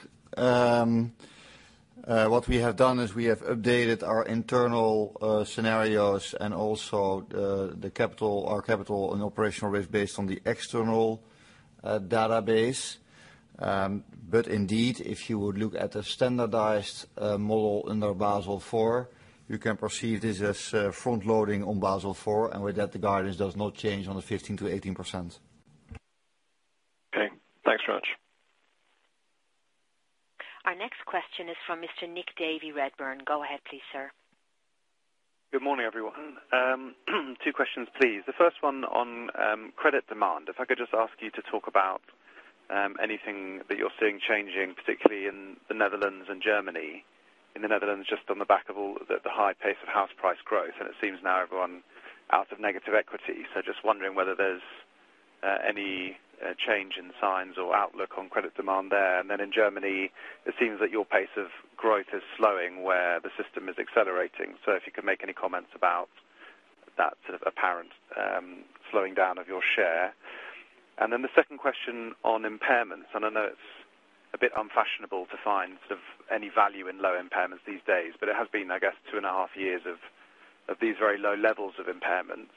what we have done is we have updated our internal scenarios and also our capital and operational risk based on the external database. Indeed, if you would look at the standardized model under Basel IV, you can perceive this as front-loading on Basel IV, and with that, the guidance does not change on the 15%-18%. Okay. Thanks very much. Our next question is from Mr. Nick Davey, Redburn. Go ahead please, sir. Good morning, everyone. Two questions, please. The first one on credit demand, if I could just ask you to talk about anything that you're seeing changing, particularly in the Netherlands and Germany. In the Netherlands, just on the back of all the high pace of house price growth, and it seems now everyone out of negative equity. Just wondering whether there's any change in signs or outlook on credit demand there. In Germany, it seems that your pace of growth is slowing where the system is accelerating. If you could make any comments about that sort of apparent slowing down of your share. The second question on impairments, and I know it's a bit unfashionable to find any value in low impairments these days, but it has been, I guess 2.5 years of these very low levels of impairment.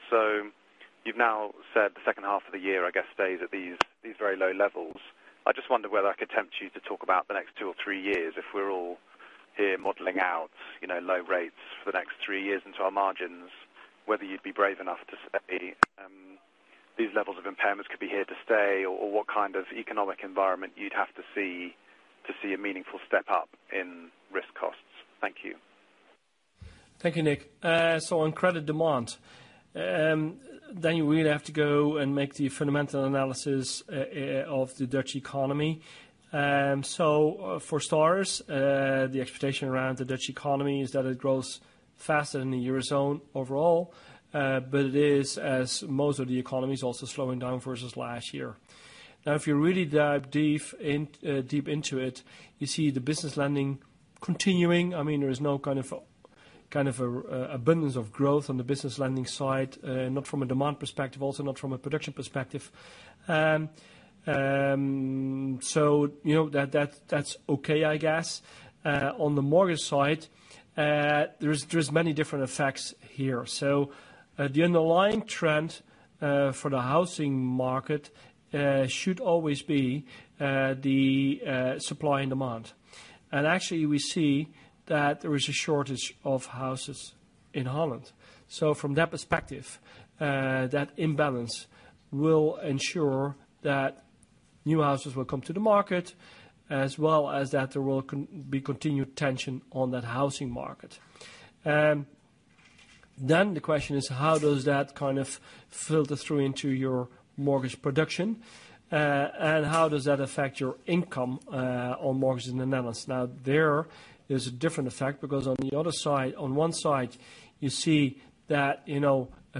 You've now said the second half of the year, I guess, stays at these very low levels. I just wonder whether I could tempt you to talk about the next two or three years, if we're all here modeling out low rates for the next three years into our margins, whether you'd be brave enough to say these levels of impairments could be here to stay, or what kind of economic environment you'd have to see, to see a meaningful step up in risk costs? Thank you. Thank you, Nick. On credit demand, then you really have to go and make the fundamental analysis of the Dutch economy. For starters, the expectation around the Dutch economy is that it grows faster than the eurozone overall, but it is, as most of the economy is also slowing down versus last year. Now, if you really dive deep into it, you see the business lending continuing. There is no abundance of growth on the business lending side, not from a demand perspective, also not from a production perspective. That's okay, I guess. On the mortgage side, there's many different effects here. The underlying trend for the housing market should always be the supply and demand. Actually, we see that there is a shortage of houses in Holland. From that perspective, that imbalance will ensure that new houses will come to the market, as well as that there will be continued tension on that housing market. The question is, how does that kind of filter through into your mortgage production, and how does that affect your income on mortgages in the Netherlands? There is a different effect because on one side, you see that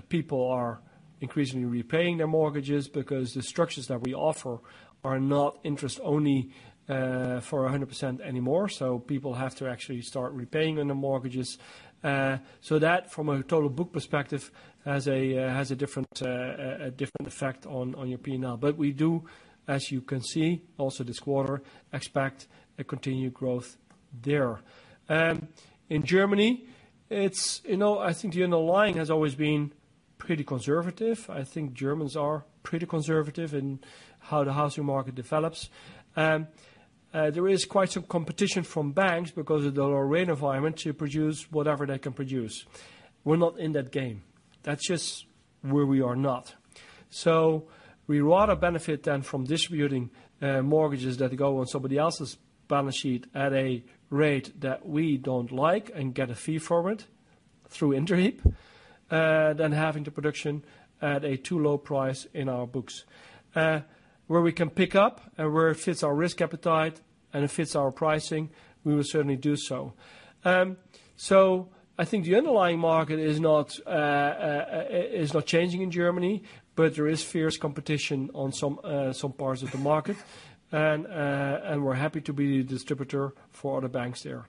people are increasingly repaying their mortgages because the structures that we offer are not interest only for 100% anymore. People have to actually start repaying on their mortgages. That from a total book perspective has a different effect on your P&L. We do, as you can see also this quarter, expect a continued growth there. In Germany, I think the underlying has always been pretty conservative. I think Germans are pretty conservative in how the housing market develops. There is quite some competition from banks because of the low rate environment to produce whatever they can produce. We're not in that game. That's just where we are not. We rather benefit then from distributing mortgages that go on somebody else's balance sheet at a rate that we don't like and get a fee for it through Interhyp, than having the production at a too low price in our books. Where we can pick up and where it fits our risk appetite and it fits our pricing, we will certainly do so. I think the underlying market is not changing in Germany, but there is fierce competition on some parts of the market, and we're happy to be the distributor for other banks there.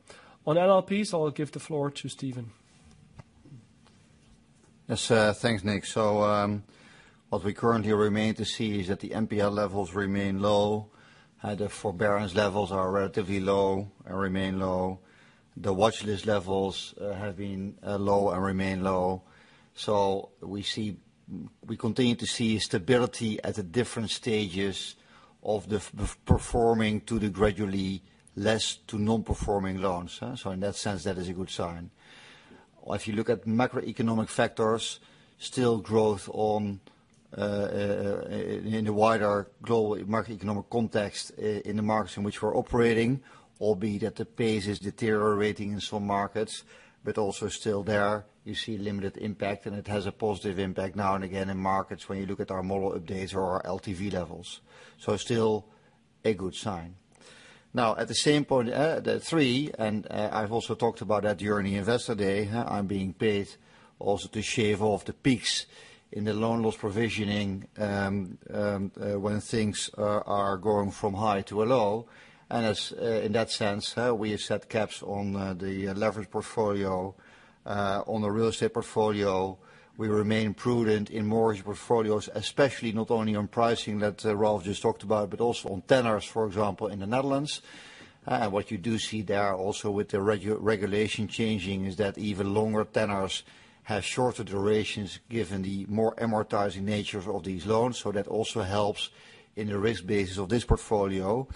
On LLPs, I'll give the floor to Steven. Yes. Thanks, Nick. What we currently remain to see is that the NPL levels remain low. The forbearance levels are relatively low and remain low. The watch list levels have been low and remain low. We continue to see stability at the different stages of the performing to the gradually less to non-performing loans. In that sense, that is a good sign. If you look at macroeconomic factors, still growth in the wider global market economic context in the markets in which we're operating, albeit that the pace is deteriorating in some markets, but also still there, you see limited impact and it has a positive impact now and again in markets when you look at our model updates or our LTV levels. Still a good sign. At the same point, three, I've also talked about that during the Investor Day, I'm being paid also to shave off the peaks in the loan loss provisioning, when things are going from high to a low. In that sense, we have set caps on the leverage portfolio, on the real estate portfolio. We remain prudent in mortgage portfolios, especially not only on pricing that Ralph just talked about, but also on tenors, for example, in the Netherlands. What you do see there also with the regulation changing is that even longer tenors have shorter durations given the more amortizing nature of these loans. That also helps in the risk basis of this portfolio.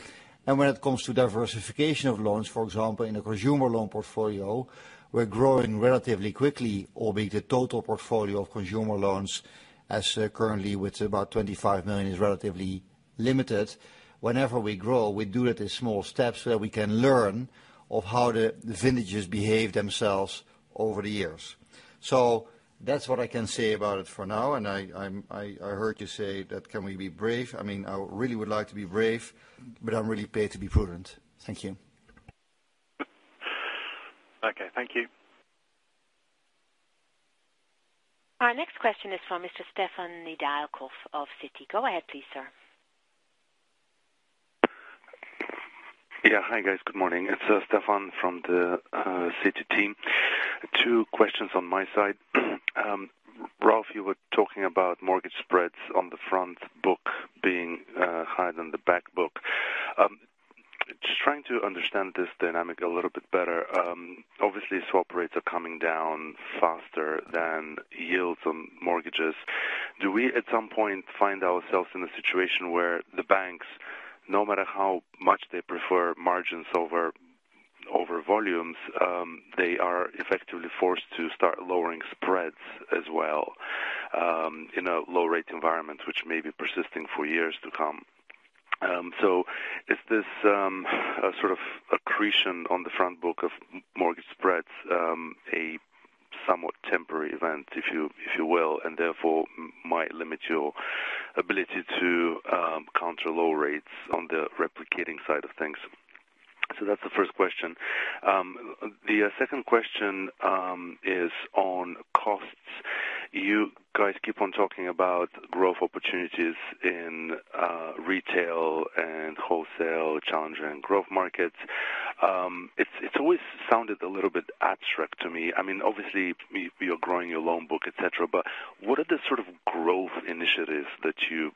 When it comes to diversification of loans, for example, in a consumer loan portfolio, we're growing relatively quickly, albeit the total portfolio of consumer loans as currently with about 25 million is relatively limited. Whenever we grow, we do it in small steps so that we can learn of how the vintages behave themselves over the years. That's what I can say about it for now, and I heard you say that can we be brave? I really would like to be brave, but I'm really paid to be prudent. Thank you. Okay. Thank you. Our next question is from Mr. Stefan Nedialkov of Citi. Go ahead please, sir. Hi, guys. Good morning. It's Stefan from the Citi team. Two questions on my side. Ralph, you were talking about mortgage spreads on the front book being higher than the back book. Just trying to understand this dynamic a little bit better. Obviously, swap rates are coming down faster than yields on mortgages. Do we, at some point, find ourselves in a situation where the banks, no matter how much they prefer margins over volumes, they are effectively forced to start lowering spreads as well, in a low-rate environment, which may be persisting for years to come? Is this sort of accretion on the front book of mortgage spreads, a somewhat temporary event, if you will, and therefore might limit your ability to counter low rates on the replicating side of things? That's the first question. The second question is on costs. You guys keep on talking about growth opportunities in retail and wholesale, Challengers & Growth Markets. It's always sounded a little bit abstract to me. Obviously, you're growing your loan book, et cetera, but what are the sort of growth initiatives that you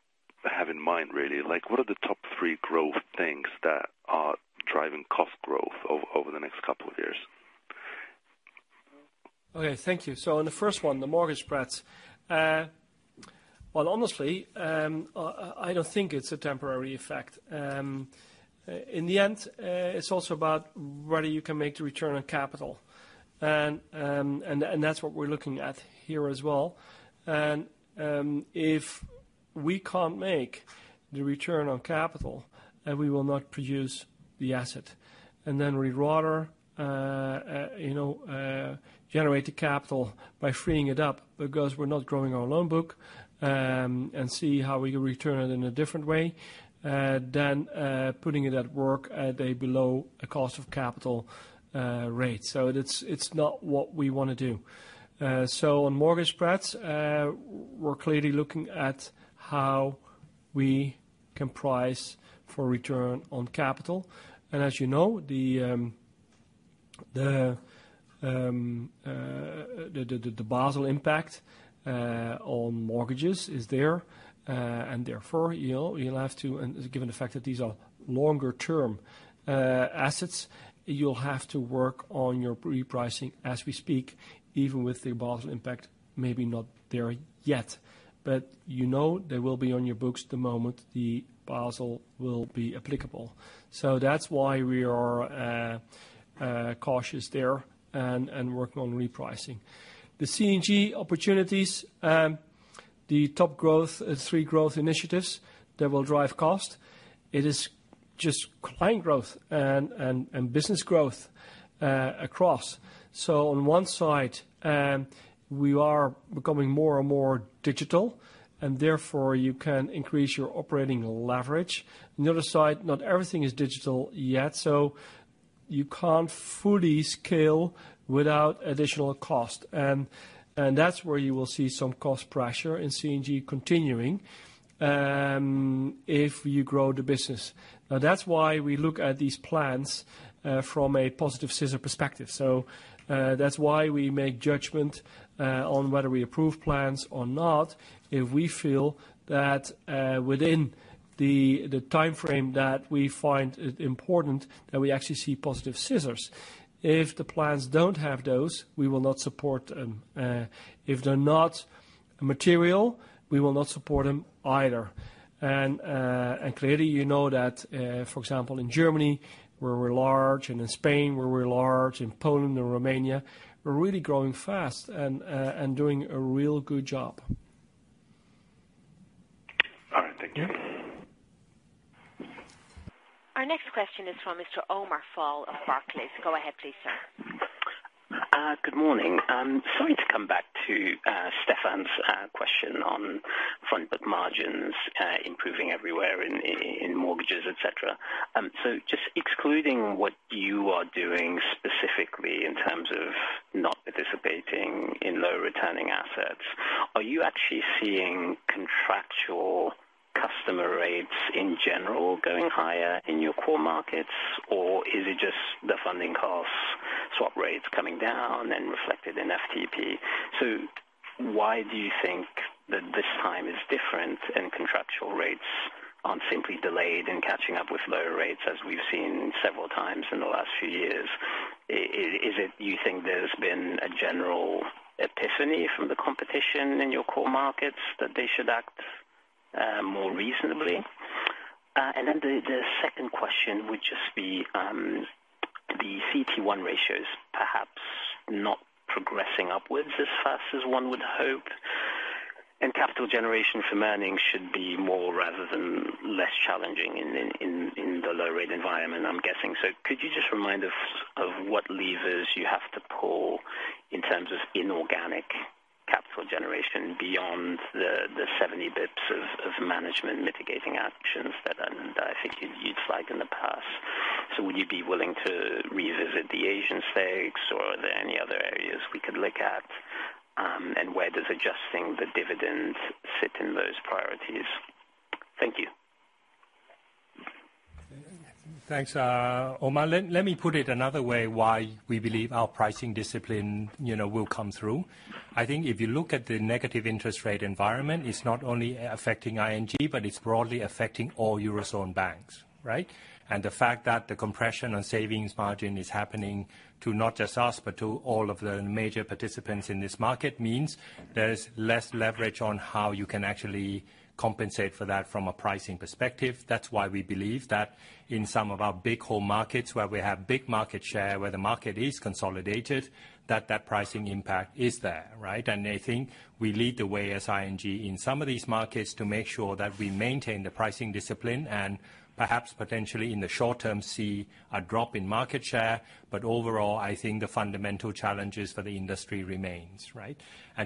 have in mind, really? What are the top three growth things that are driving cost growth over the next couple of years? Thank you. On the first one, the mortgage spreads. Well, honestly, I don't think it's a temporary effect. In the end, it's also about whether you can make the return on capital. That's what we're looking at here as well. If we can't make the return on capital, we will not produce the asset. We'd rather generate the capital by freeing it up because we're not growing our loan book, and see how we return it in a different way, than putting it at work at a below cost of capital rate. It's not what we want to do. On mortgage spreads, we're clearly looking at how we can price for return on capital. As you know, the Basel impact on mortgages is there, and therefore, you'll have to, and given the fact that these are longer term assets, you'll have to work on your repricing as we speak, even with the Basel impact maybe not there yet. You know they will be on your books the moment the Basel will be applicable. That's why we are cautious there and working on repricing. The C&G opportunities, the top three growth initiatives that will drive cost, it is just client growth and business growth across. On one side, we are becoming more and more digital, and therefore you can increase your operating leverage. On the other side, not everything is digital yet. You can't fully scale without additional cost. That's where you will see some cost pressure in C&G continuing, if you grow the business. That's why we look at these plans from a positive scissor perspective. That's why we make judgment on whether we approve plans or not, if we feel that within the timeframe that we find it important that we actually see positive scissors. If the plans don't have those, we will not support them. If they're not material, we will not support them either. Clearly, you know that, for example, in Germany, where we're large, and in Spain, where we're large, in Poland and Romania, we're really growing fast and doing a real good job. Our next question is from Mr. Omar Fall of Barclays. Go ahead, please, sir. Good morning, sorry to come back to Stefan's questions on front book margins improving everywhere in mortgages, et cetera. Just excluding what you are doing specifically in terms of not participating in low returning assets, are you actually seeing contractual customer rates in general going higher in your core markets, or is it just the funding costs swap rates coming down and reflected in FTP? Why do you think that this time is different and contractual rates aren't simply delayed in catching up with low rates as we've seen several times in the last few years? Is it you think there's been a general epiphany from the competition in your core markets that they should act more reasonably? The second question would just be, the CET1 ratios perhaps not progressing upwards as fast as one would hope, and capital generation for earnings should be more rather than less challenging in the low rate environment, I'm guessing. Could you just remind us of what levers you have to pull in terms of inorganic capital generation beyond the 70 bps of management mitigating actions that I think you'd cited in the past? Would you be willing to revisit the Asian stakes, or are there any other areas we could look at? Where does adjusting the dividends fit in those priorities? Thank you. Thanks, Omar. Let me put it another way why we believe our pricing discipline will come through. I think if you look at the negative interest rate environment, it's not only affecting ING, but it's broadly affecting all eurozone banks, right? The fact that the compression on savings margin is happening to not just us, but to all of the major participants in this market, means there's less leverage on how you can actually compensate for that from a pricing perspective. That's why we believe that in some of our big home markets, where we have big market share, where the market is consolidated, that that pricing impact is there, right? I think we lead the way as ING in some of these markets to make sure that we maintain the pricing discipline and perhaps potentially in the short term, see a drop in market share. Overall, I think the fundamental challenges for the industry remains, right?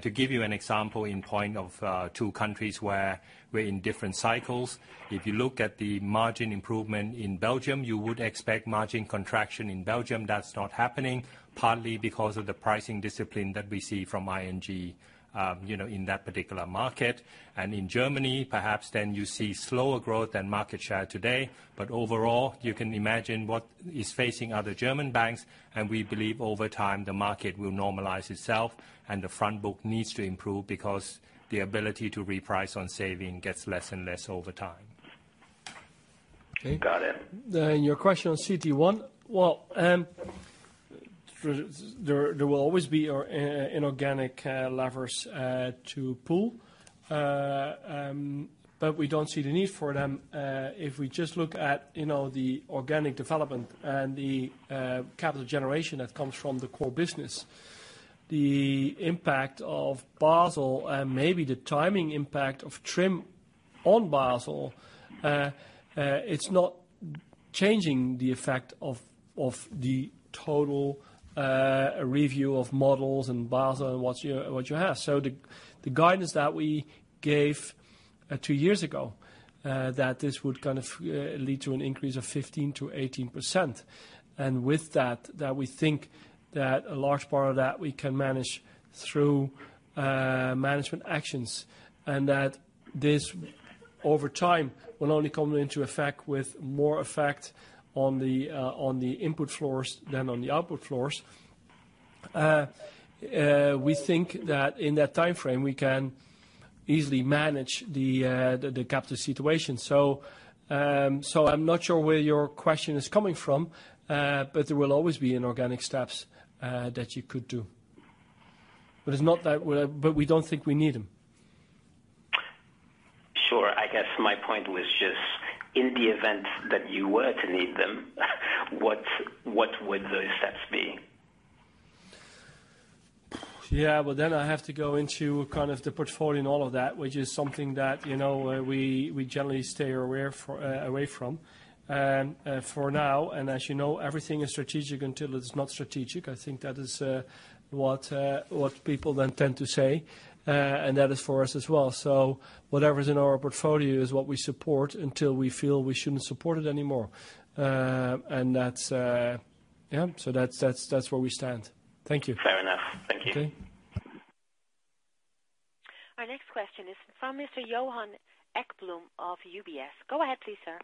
To give you an example in point of two countries where we're in different cycles, if you look at the margin improvement in Belgium, you would expect margin contraction in Belgium. That's not happening, partly because of the pricing discipline that we see from ING in that particular market. In Germany, perhaps then you see slower growth than market share today. Overall, you can imagine what is facing other German banks, and we believe over time the market will normalize itself and the front book needs to improve because the ability to reprice on saving gets less and less over time. Okay. Got it. Your question on CET1. Well, there will always be inorganic levers to pull, but we don't see the need for them. If we just look at the organic development and the capital generation that comes from the core business, the impact of Basel and maybe the timing impact of TRIM on Basel, it's not changing the effect of the total review of models and Basel and what you have. The guidance that we gave two years ago, that this would lead to an increase of 15%-18%. With that, we think that a large part of that we can manage through management actions, and that this over time will only come into effect with more effect on the input floors than on the output floors. We think that in that timeframe, we can easily manage the capital situation. I'm not sure where your question is coming from, there will always be inorganic steps that you could do. We don't think we need them. Sure. I guess my point was just in the event that you were to need them, what would those steps be? Yeah. Well, I have to go into the portfolio and all of that, which is something that we generally stay away from for now. As you know, everything is strategic until it is not strategic. I think that is what people then tend to say. That is for us as well. Whatever is in our portfolio is what we support until we feel we shouldn't support it anymore. That's where we stand. Thank you. Fair enough. Thank you. Our next question is from Mr. Johan Ekblom of UBS. Go ahead please, sir.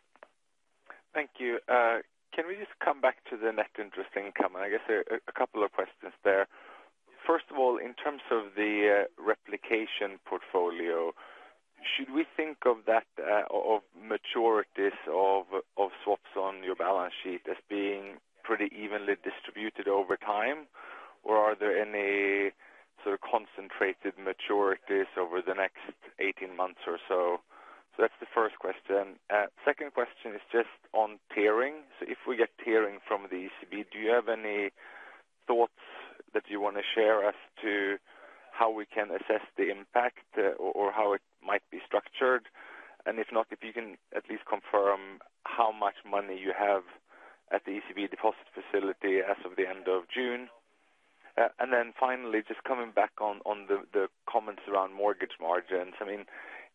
Thank you. Can we just come back to the net interest income? I guess there are a couple of questions there. First of all, in terms of the replication portfolio, should we think of that, of maturities of swaps on your balance sheet as being pretty evenly distributed over time? Are there any sort of concentrated maturities over the next 18 months or so? That's the first question. Second question is just on tiering. If we get tiering from the ECB, do you have any thoughts that you want to share as to how we can assess the impact or how it might be structured? If not, if you can at least confirm how much money you have at the ECB deposit facility as of the end of June. Finally, just coming back on the comments around mortgage margins.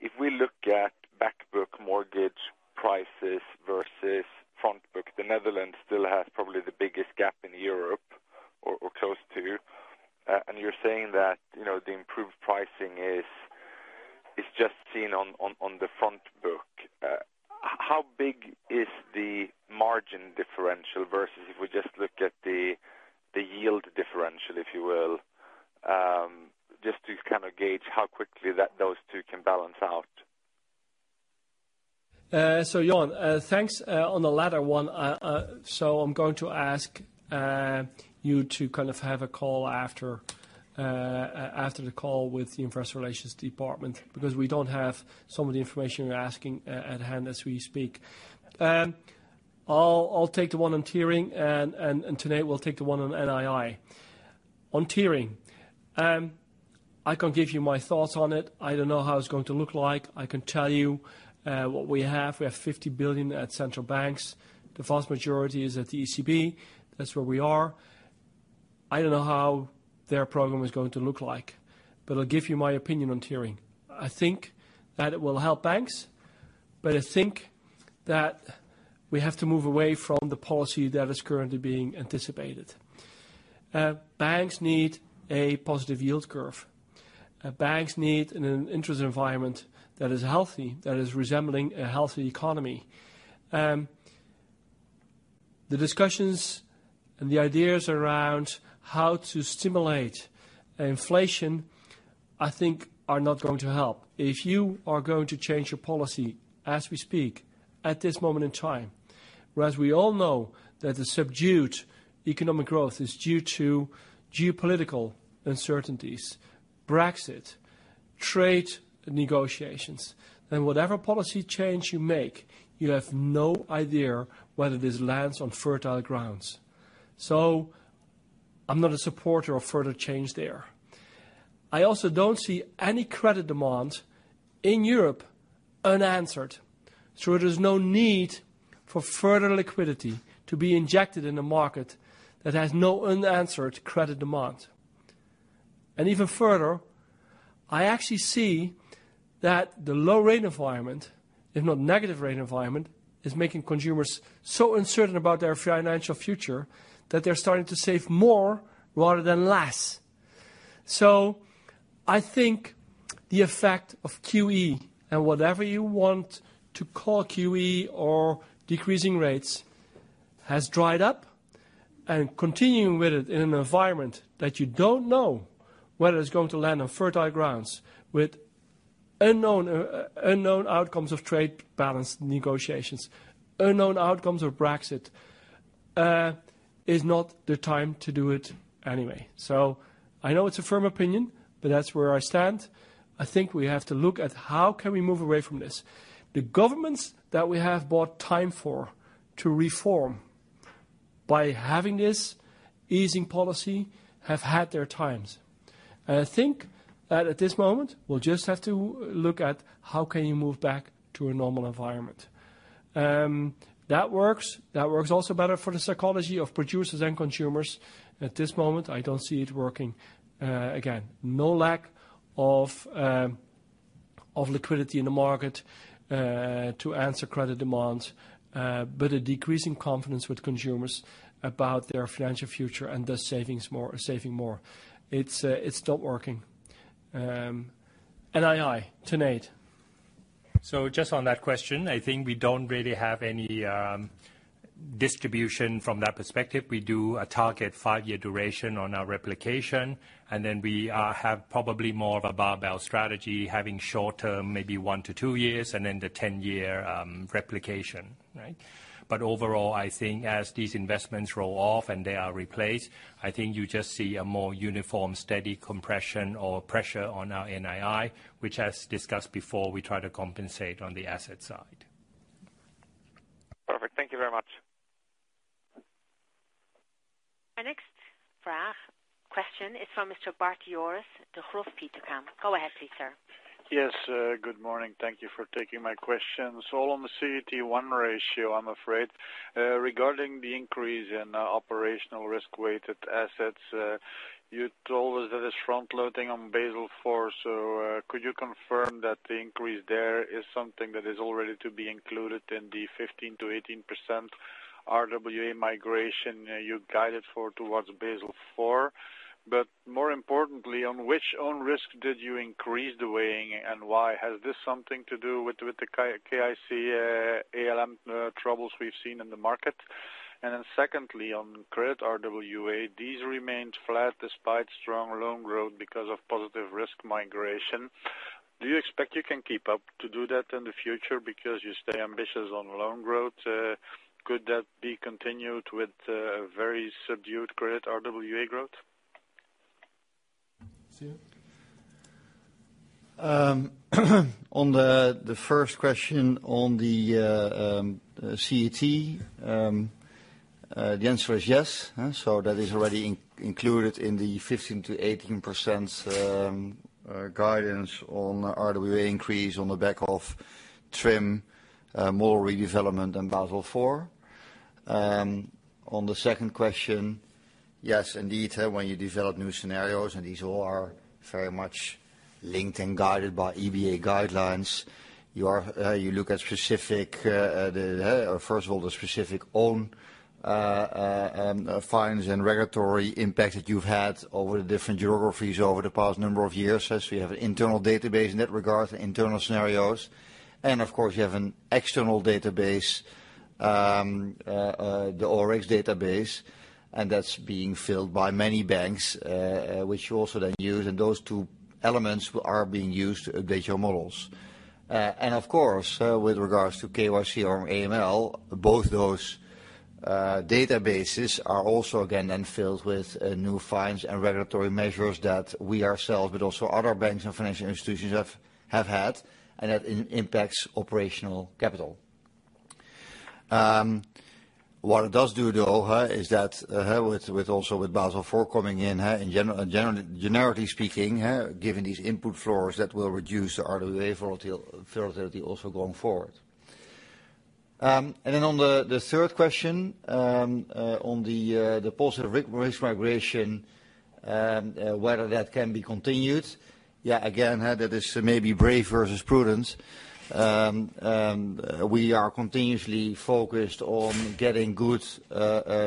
If we look at back book mortgage prices versus front book, the Netherlands still has probably the biggest gap in Europe or close to. You're saying that the improved pricing is just seen on the front book. How big is the margin differential versus if we just look at the yield differential, if you will, just to kind of gauge how quickly those two can balance out. Johan, thanks on the latter one. I'm going to ask you to have a call after the call with the Investor Relations department, because we don't have some of the information you're asking at hand as we speak. I'll take the one on tiering, and Tanate will take the one on NII. On tiering, I can give you my thoughts on it. I don't know how it's going to look like. I can tell you what we have. We have 50 billion at central banks. The vast majority is at the ECB. That's where we are. I don't know how their program is going to look like. I'll give you my opinion on tiering. I think that it will help banks, I think that we have to move away from the policy that is currently being anticipated. Banks need a positive yield curve. Banks need an interest environment that is healthy, that is resembling a healthy economy. The discussions and the ideas around how to stimulate inflation, I think are not going to help. If you are going to change your policy as we speak at this moment in time, whereas we all know that the subdued economic growth is due to geopolitical uncertainties, Brexit, trade negotiations. Whatever policy change you make, you have no idea whether this lands on fertile grounds. I'm not a supporter of further change there. I also don't see any credit demand in Europe unanswered. There's no need for further liquidity to be injected in a market that has no unanswered credit demand. Even further, I actually see that the low rate environment, if not negative rate environment, is making consumers so uncertain about their financial future that they're starting to save more rather than less. I think the effect of QE and whatever you want to call QE or decreasing rates has dried up, and continuing with it in an environment that you don't know whether it's going to land on fertile grounds with unknown outcomes of trade balance negotiations, unknown outcomes of Brexit, is not the time to do it anyway. I know it's a firm opinion, but that's where I stand. I think we have to look at how can we move away from this. The governments that we have bought time for to reform by having this easing policy have had their times. I think that at this moment, we'll just have to look at how can you move back to a normal environment. That works. That works also better for the psychology of producers and consumers. At this moment, I don't see it working. No lack of liquidity in the market to answer credit demands, but a decrease in confidence with consumers about their financial future and thus saving more. It's not working. NII, Tanate. Just on that question, I think we don't really have any distribution from that perspective. We do a target five-year duration on our replication, and then we have probably more of a barbell strategy, having short-term, maybe one to two years, and then the 10-year replication. Overall, I think as these investments roll off and they are replaced, I think you just see a more uniform, steady compression or pressure on our NII, which as discussed before, we try to compensate on the asset side. Perfect. Thank you very much. Our next question is from Mr. Bart Jooris, Degroof Petercam. Go ahead please, sir. Yes. Good morning. Thank you for taking my questions. All on the CET1 ratio, I'm afraid. Regarding the increase in operational risk-weighted assets, you told us that it's front-loading on Basel IV. Could you confirm that the increase there is something that is already to be included in the 15%-18% RWA migration you guided for towards Basel IV. More importantly, on which own risk did you increase the weighing and why? Has this something to do with the KYC ALM troubles we've seen in the market? Secondly, on credit RWA, these remained flat despite strong loan growth because of positive risk migration. Do you expect you can keep up to do that in the future because you stay ambitious on loan growth? Could that be continued with a very subdued credit RWA growth? On the first question on the CET, the answer is yes. That is already included in the 15%-18% guidance on RWA increase on the back of TRIM model redevelopment and Basel IV. On the second question, yes, indeed. When you develop new scenarios, and these all are very much linked and guided by EBA guidelines, you look at, first of all, the specific own fines and regulatory impact that you've had over the different geographies over the past number of years. We have an internal database in that regard, internal scenarios. Of course, you have an external database, the ORX database, and that's being filled by many banks, which you also then use. Those two elements are being used to update your models. Of course, with regards to KYC or AML, both those databases are also again then filled with new fines and regulatory measures that we ourselves, but also other banks and financial institutions have had, and that impacts operational capital. What it does do, though, is that with also Basel IV coming in, generally speaking, given these input floors, that will reduce RWA volatility also going forward. Then on the third question, on the positive risk migration, whether that can be continued. Again, that is maybe brave versus prudence. We are continuously focused on getting good,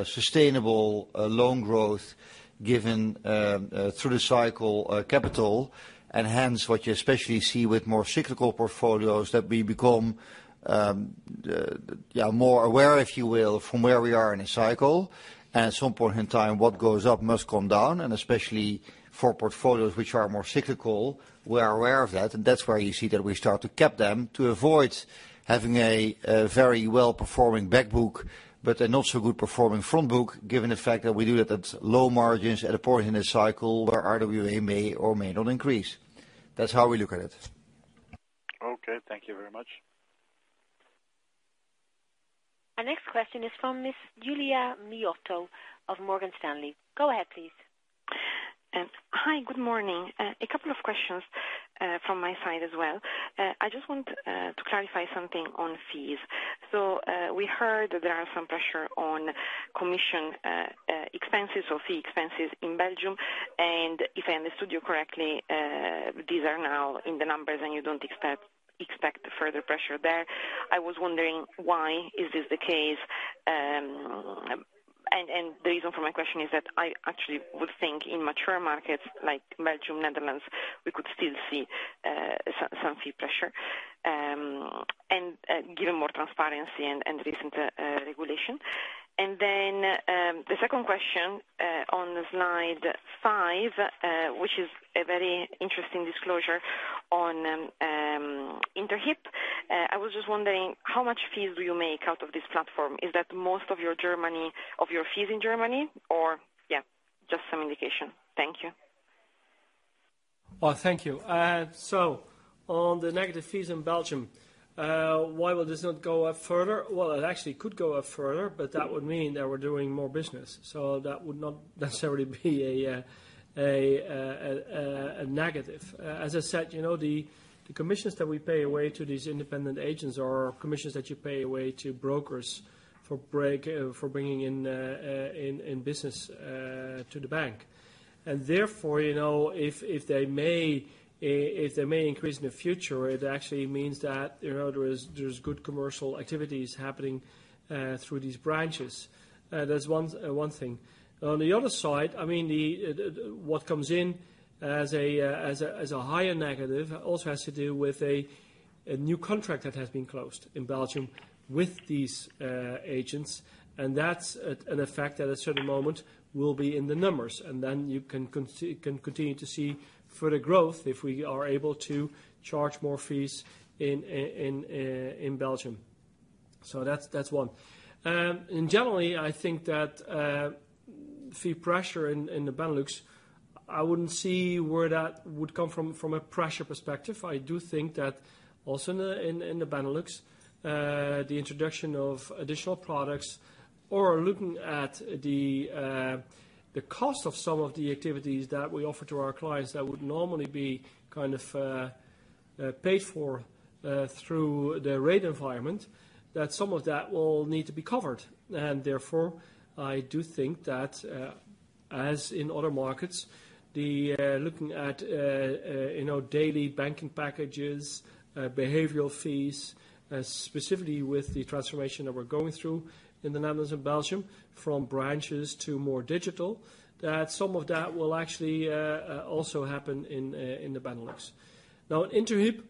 sustainable loan growth given through the cycle capital. Hence what you especially see with more cyclical portfolios that we become more aware, if you will, from where we are in a cycle. At some point in time, what goes up must come down, and especially for portfolios which are more cyclical, we are aware of that. That's where you see that we start to cap them to avoid having a very well-performing back book, but a not-so-good performing front book, given the fact that we do that at low margins at a point in the cycle where RWA may or may not increase. That's how we look at it. Okay. Thank you very much. Our next question is from Ms. Giulia Miotto of Morgan Stanley. Go ahead, please. Hi. Good morning. A couple of questions from my side as well. I just want to clarify something on fees. We heard that there are some pressure on commission expenses or fee expenses in Belgium. If I understood you correctly, these are now in the numbers and you don't expect further pressure there. I was wondering why is this the case, and the reason for my question is that I actually would think in mature markets like Belgium, Netherlands, we could still see some fee pressure, given more transparency and recent regulation. The second question on slide five, which is a very interesting disclosure on Interhyp. I was just wondering how much fees do you make out of this platform? Is that most of your fees in Germany or yeah, just some indication. Thank you. Well, thank you. On the negative fees in Belgium, why would this not go up further? Well, it actually could go up further, but that would mean that we're doing more business, so that would not necessarily be a negative. As I said, the commissions that we pay away to these independent agents are commissions that you pay away to brokers for bringing in business to the bank. Therefore, if they may increase in the future, it actually means that there's good commercial activities happening through these branches. That's one thing. On the other side, what comes in as a higher negative also has to do with a new contract that has been closed in Belgium with these agents, and that's an effect at a certain moment will be in the numbers, and then you can continue to see further growth if we are able to charge more fees in Belgium. That's one. Generally, I think that fee pressure in the Benelux, I wouldn't see where that would come from a pressure perspective. I do think that also in the Benelux, the introduction of additional products or looking at the cost of some of the activities that we offer to our clients that would normally be paid for through the rate environment, that some of that will need to be covered. Therefore, I do think that As in other markets, looking at daily banking packages, behavioral fees, specifically with the transformation that we're going through in the Netherlands and Belgium, from branches to more digital, that some of that will actually also happen in the Benelux. Interhyp,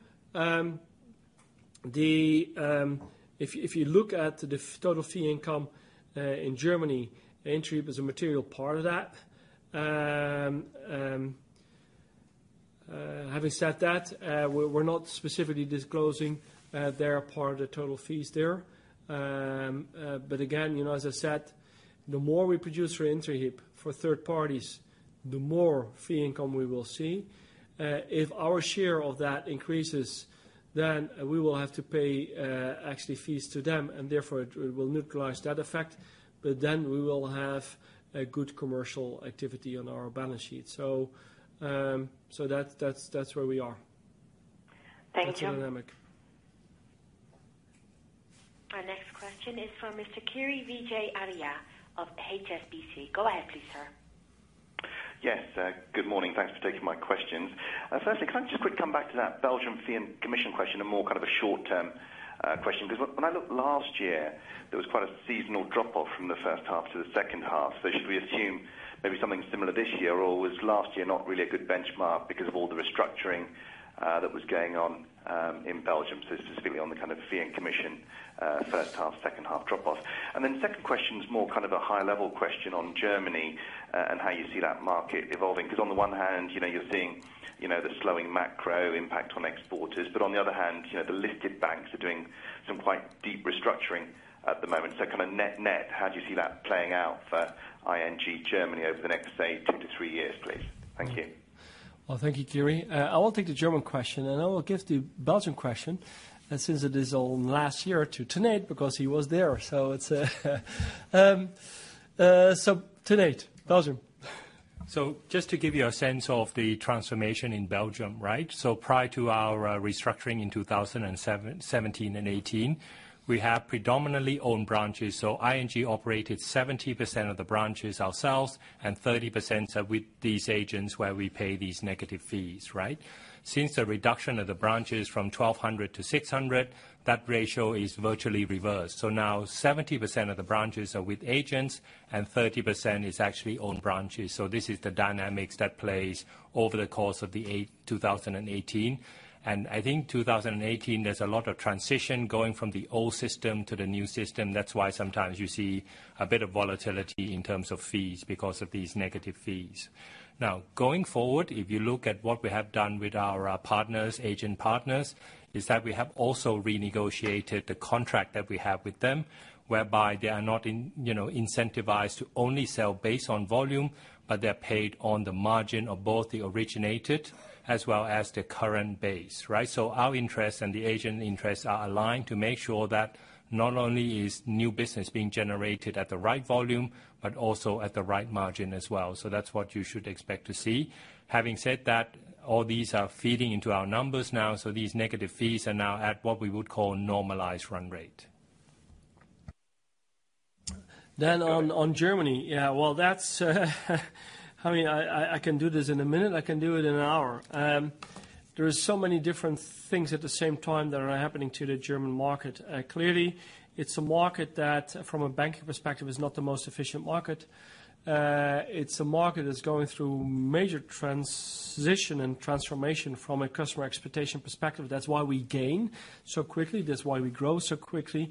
if you look at the total fee income in Germany, Interhyp is a material part of that. Having said that, we're not specifically disclosing their part of the total fees there. Again, as I said, the more we produce for Interhyp for third parties, the more fee income we will see. If our share of that increases, then we will have to pay actually fees to them, and therefore it will neutralize that effect. Then we will have a good commercial activity on our balance sheet. That's where we are. Thank you. That's the dynamic. Our next question is from Mr. Kiri Vijayarajah of HSBC. Go ahead please, sir. Yes. Good morning. Thanks for taking my questions. Firstly, can I just quickly come back to that Belgium fee and commission question, a more kind of a short-term question, because when I look last year, there was quite a seasonal drop-off from the first half to the second half. Should we assume maybe something similar this year, or was last year not really a good benchmark because of all the restructuring that was going on in Belgium? Specifically on the kind of fee and commission first half, second half drop-offs. Then second question is more kind of a high-level question on Germany and how you see that market evolving. Because on the one hand, you're seeing the slowing macro impact on exporters, but on the other hand, the listed banks are doing some quite deep restructuring at the moment. Kind of net-net, how do you see that playing out for ING Germany over the next, say two to three years, please? Thank you. Well, thank you, Kiri. I will take the German question, and I will give the Belgium question, since it is on last year, to Tanate because he was there. Tanate, Belgium. Just to give you a sense of the transformation in Belgium. Prior to our restructuring in 2017 and 2018, we have predominantly owned branches. ING operated 70% of the branches ourselves, and 30% are with these agents where we pay these negative fees. Since the reduction of the branches from 1,200 to 600, that ratio is virtually reversed. Now 70% of the branches are with agents and 30% is actually owned branches. This is the dynamics that plays over the course of 2018. I think 2018, there's a lot of transition going from the old system to the new system. That's why sometimes you see a bit of volatility in terms of fees because of these negative fees. Now, going forward, if you look at what we have done with our agent partners, is that we have also renegotiated the contract that we have with them, whereby they are not incentivized to only sell based on volume, but they're paid on the margin of both the originated as well as the current base. Our interest and the agent interest are aligned to make sure that not only is new business being generated at the right volume, but also at the right margin as well. That's what you should expect to see. Having said that, all these are feeding into our numbers now, so these negative fees are now at what we would call normalized run rate. On Germany. Yeah. Well, that's I mean, I can do this in a minute. I can do it in an hour. There are so many different things at the same time that are happening to the German market. Clearly, it's a market that from a banking perspective is not the most efficient market. It's a market that's going through major transition and transformation from a customer expectation perspective. That's why we gain so quickly, that's why we grow so quickly.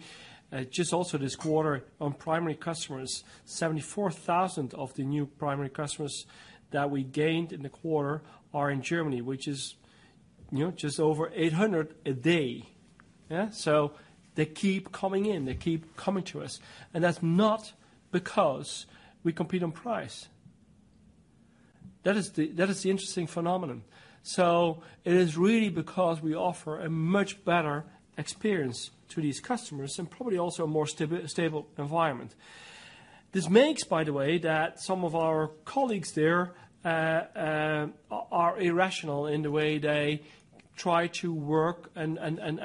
Just also this quarter on primary customers, 74,000 of the new primary customers that we gained in the quarter are in Germany, which is just over 800 a day. They keep coming in. They keep coming to us, and that's not because we compete on price. That is the interesting phenomenon. It is really because we offer a much better experience to these customers and probably also a more stable environment. This makes, by the way, that some of our colleagues there are irrational in the way they try to work and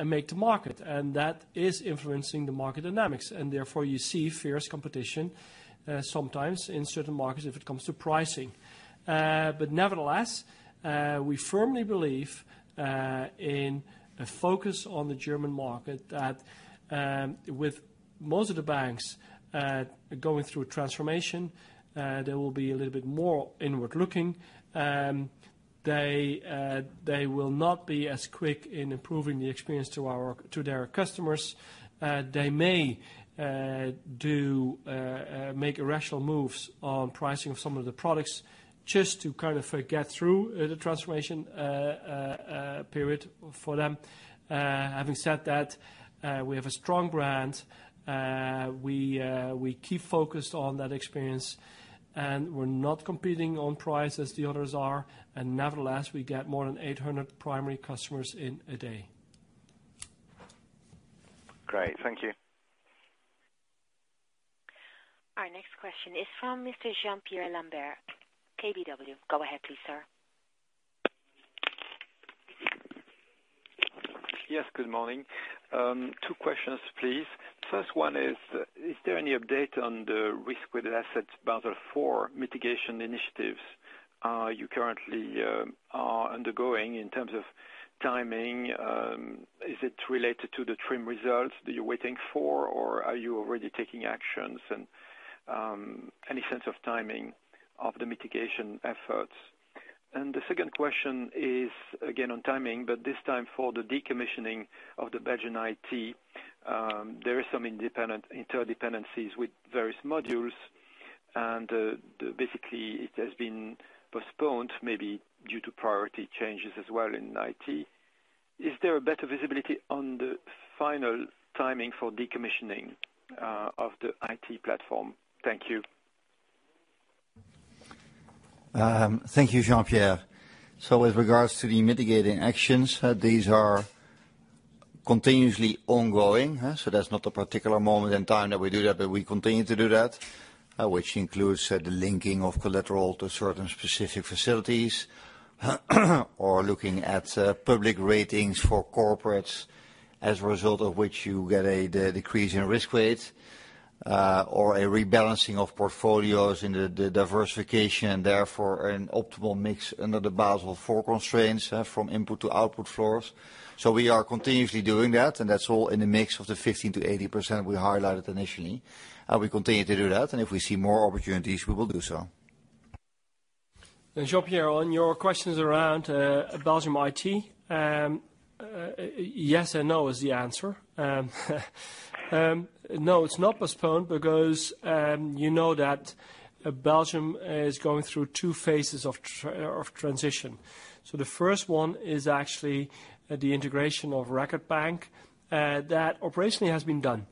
make the market, and that is influencing the market dynamics, and therefore you see fierce competition, sometimes in certain markets if it comes to pricing. Nevertheless, we firmly believe in a focus on the German market that with most of the banks going through a transformation, they will be a little bit more inward-looking. They will not be as quick in improving the experience to their customers. They may make irrational moves on pricing of some of the products just to kind of get through the transformation period for them. Having said that, we have a strong brand. We keep focused on that experience, and we're not competing on price as the others are, and nevertheless, we get more than 800 primary customers in a day. Great. Thank you. Our next question is from Mr. Jean-Pierre Lambert, KBW. Go ahead please, sir. Yes, good morning. Two questions, please. First one is: Is there any update on the risk-weighted assets Basel IV mitigation initiatives you currently are undergoing in terms of timing? Is it related to the TRIM results that you're waiting for, or are you already taking actions? Any sense of timing of the mitigation efforts? The second question is again on timing, but this time for the decommissioning of the Belgian IT. There is some interdependencies with various modules and basically it has been postponed, maybe due to priority changes as well in IT. Is there a better visibility on the final timing for decommissioning of the IT platform? Thank you. Thank you, Jean-Pierre. With regards to the mitigating actions, these are continuously ongoing. That's not a particular moment in time that we do that, but we continue to do that, which includes the linking of collateral to certain specific facilities, or looking at public ratings for corporates as a result of which you get a decrease in risk weight or a rebalancing of portfolios in the diversification, and therefore an optimal mix under the Basel IV constraints from input to output floors. We are continuously doing that, and that's all in the mix of the 15%-18% we highlighted initially. We continue to do that, and if we see more opportunities, we will do so. Jean-Pierre, on your questions around Belgium IT, yes and no is the answer. No, it's not postponed because you know that Belgium is going through two phases of transition. The first one is actually the integration of Record Bank. That operationally has been done.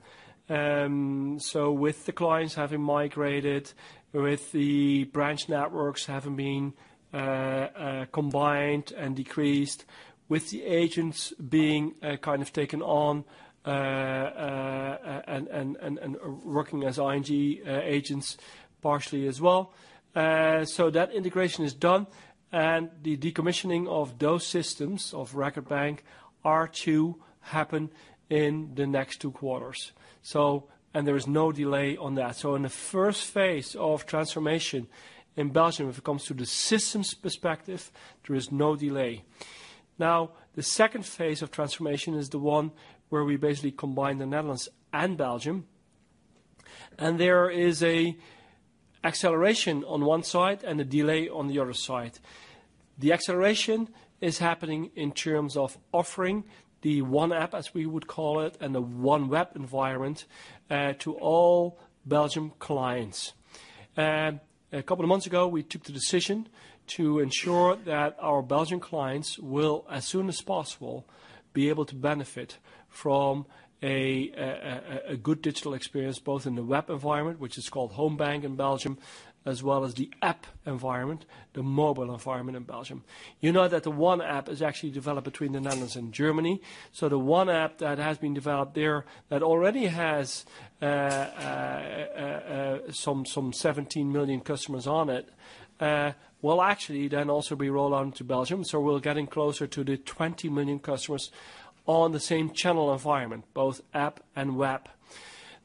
With the clients having migrated, with the branch networks having been combined and decreased, with the agents being taken on and working as ING agents partially as well. That integration is done, and the decommissioning of those systems, of Record Bank, are to happen in the next two quarters. There is no delay on that. In the first phase of transformation in Belgium, if it comes to the systems perspective, there is no delay. The second phase of transformation is the one where we basically combine the Netherlands and Belgium, and there is a acceleration on one side and a delay on the other side. The acceleration is happening in terms of offering the one app, as we would call it, and the one web environment to all Belgium clients. A couple of months ago, we took the decision to ensure that our Belgian clients will, as soon as possible, be able to benefit from a good digital experience, both in the web environment, which is called Home'Bank in Belgium, as well as the app environment, the mobile environment in Belgium. You know that the one app is actually developed between the Netherlands and Germany. The one app that has been developed there that already has some 17 million customers on it will actually then also be rolled out into Belgium. We're getting closer to the 20 million customers on the same channel environment, both app and web.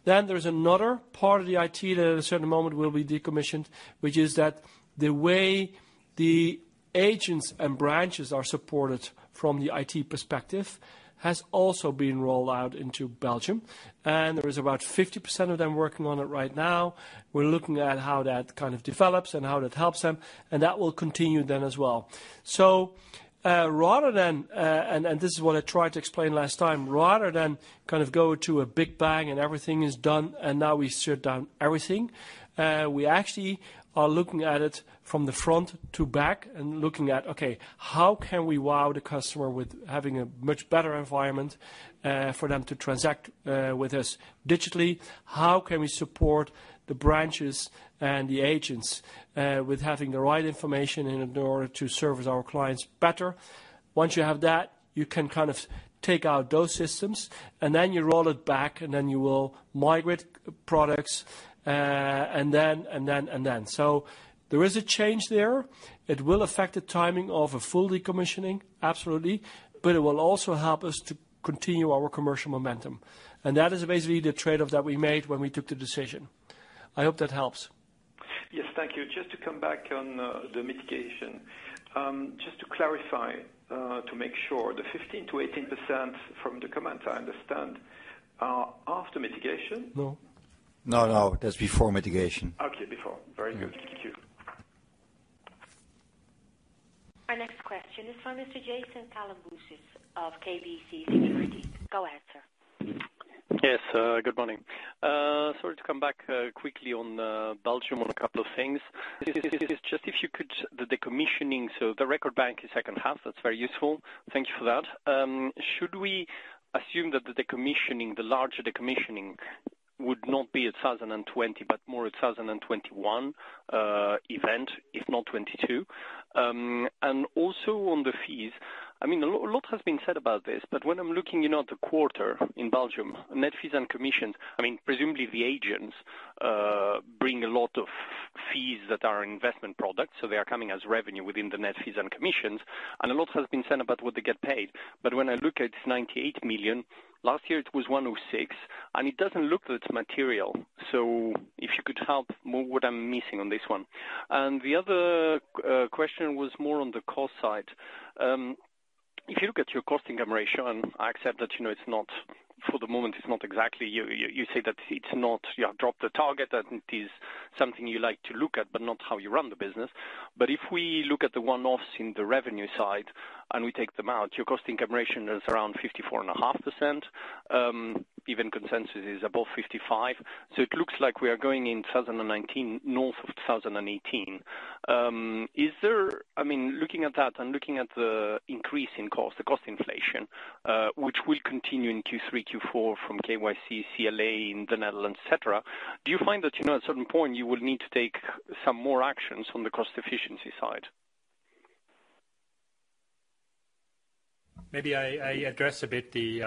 There's another part of the IT that at a certain moment will be decommissioned, which is that the way the agents and branches are supported from the IT perspective has also been rolled out into Belgium, and there is about 50% of them working on it right now. We're looking at how that develops and how that helps them, and that will continue then as well. Rather than, and this is what I tried to explain last time, rather than go to a big bang and everything is done and now we shut down everything, we actually are looking at it from the front to back and looking at, okay, how can we wow the customer with having a much better environment for them to transact with us digitally? How can we support the branches and the agents with having the right information in order to service our clients better? Once you have that, you can take out those systems, and then you roll it back, and then you will migrate products, and then, and then, and then. There is a change there. It will affect the timing of a full decommissioning, absolutely. It will also help us to continue our commercial momentum. That is basically the trade-off that we made when we took the decision. I hope that helps. Yes. Thank you. Just to come back on the mitigation. Just to clarify, to make sure, the 15%-18% from the comment, I understand, are after mitigation? No. No. That's before mitigation. Okay. Before. Very good. Thank you. Our next question is from Mr. Jason Kalamboussis of KBC Securities. Go ahead, sir. Yes, good morning. Sorry to come back quickly on Belgium on a couple of things. If you could, the decommissioning, so the Record Bank is second half. That's very useful. Thank you for that. Should we assume that the decommissioning, the larger decommissioning, would not be a 2020 but more a 2021 event, if not 2022? Also on the fees, a lot has been said about this, when I'm looking at the quarter in Belgium, net fees and commissions, presumably the agents bring a lot of fees that are investment products, so they are coming as revenue within the net fees and commissions, a lot has been said about what they get paid. When I look at 98 million, last year it was 106, it doesn't look that material. If you could help more what I'm missing on this one. The other question was more on the cost side. If you look at your cost income ratio, and I accept that for the moment it is not exactly, you say that it is not, you have dropped the target and it is something you like to look at, but not how you run the business. If we look at the one-offs in the revenue side and we take them out, your cost income ratio is around 54.5%. Even consensus is above 55. It looks like we are going in 2019, north of 2018. Looking at that and looking at the increase in cost, the cost inflation, which will continue in Q3, Q4 from KYC, CLA in the Netherlands, et cetera. Do you find that, at a certain point, you will need to take some more actions on the cost efficiency side? Maybe I address a bit the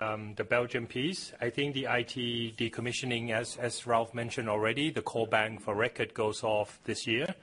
Belgium piece. I think the IT decommissioning, as Ralph mentioned already, the core bank for Record goes off this year.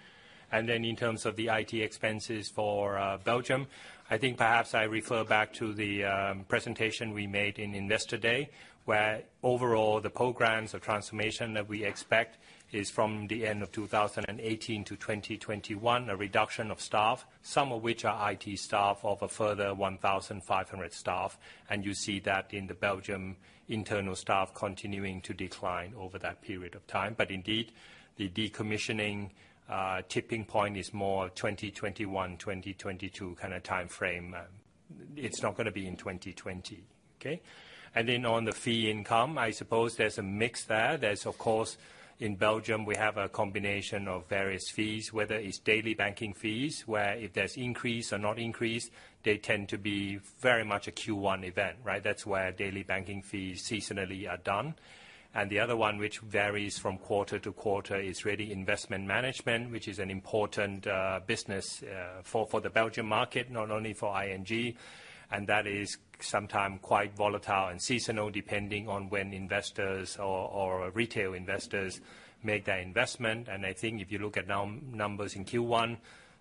In terms of the IT expenses for Belgium, I think perhaps I refer back to the presentation we made in yesterday, where overall the programs of transformation that we expect is from the end of 2018 to 2021, a reduction of staff, some of which are IT staff of a further 1,500 staff. You see that in the Belgium internal staff continuing to decline over that period of time. Indeed, the decommissioning tipping point is more 2021, 2022 kind of timeframe. It is not going to be in 2020. Okay? On the fee income, I suppose there is a mix there. There's, of course, in Belgium, we have a combination of various fees, whether it's daily banking fees, where if there's increase or not increase, they tend to be very much a Q1 event, right? That's where daily banking fees seasonally are done. The other one, which varies from quarter to quarter, is really investment management, which is an important business for the Belgium market, not only for ING, and that is sometimes quite volatile and seasonal, depending on when investors or retail investors make that investment. I think if you look at numbers in Q1,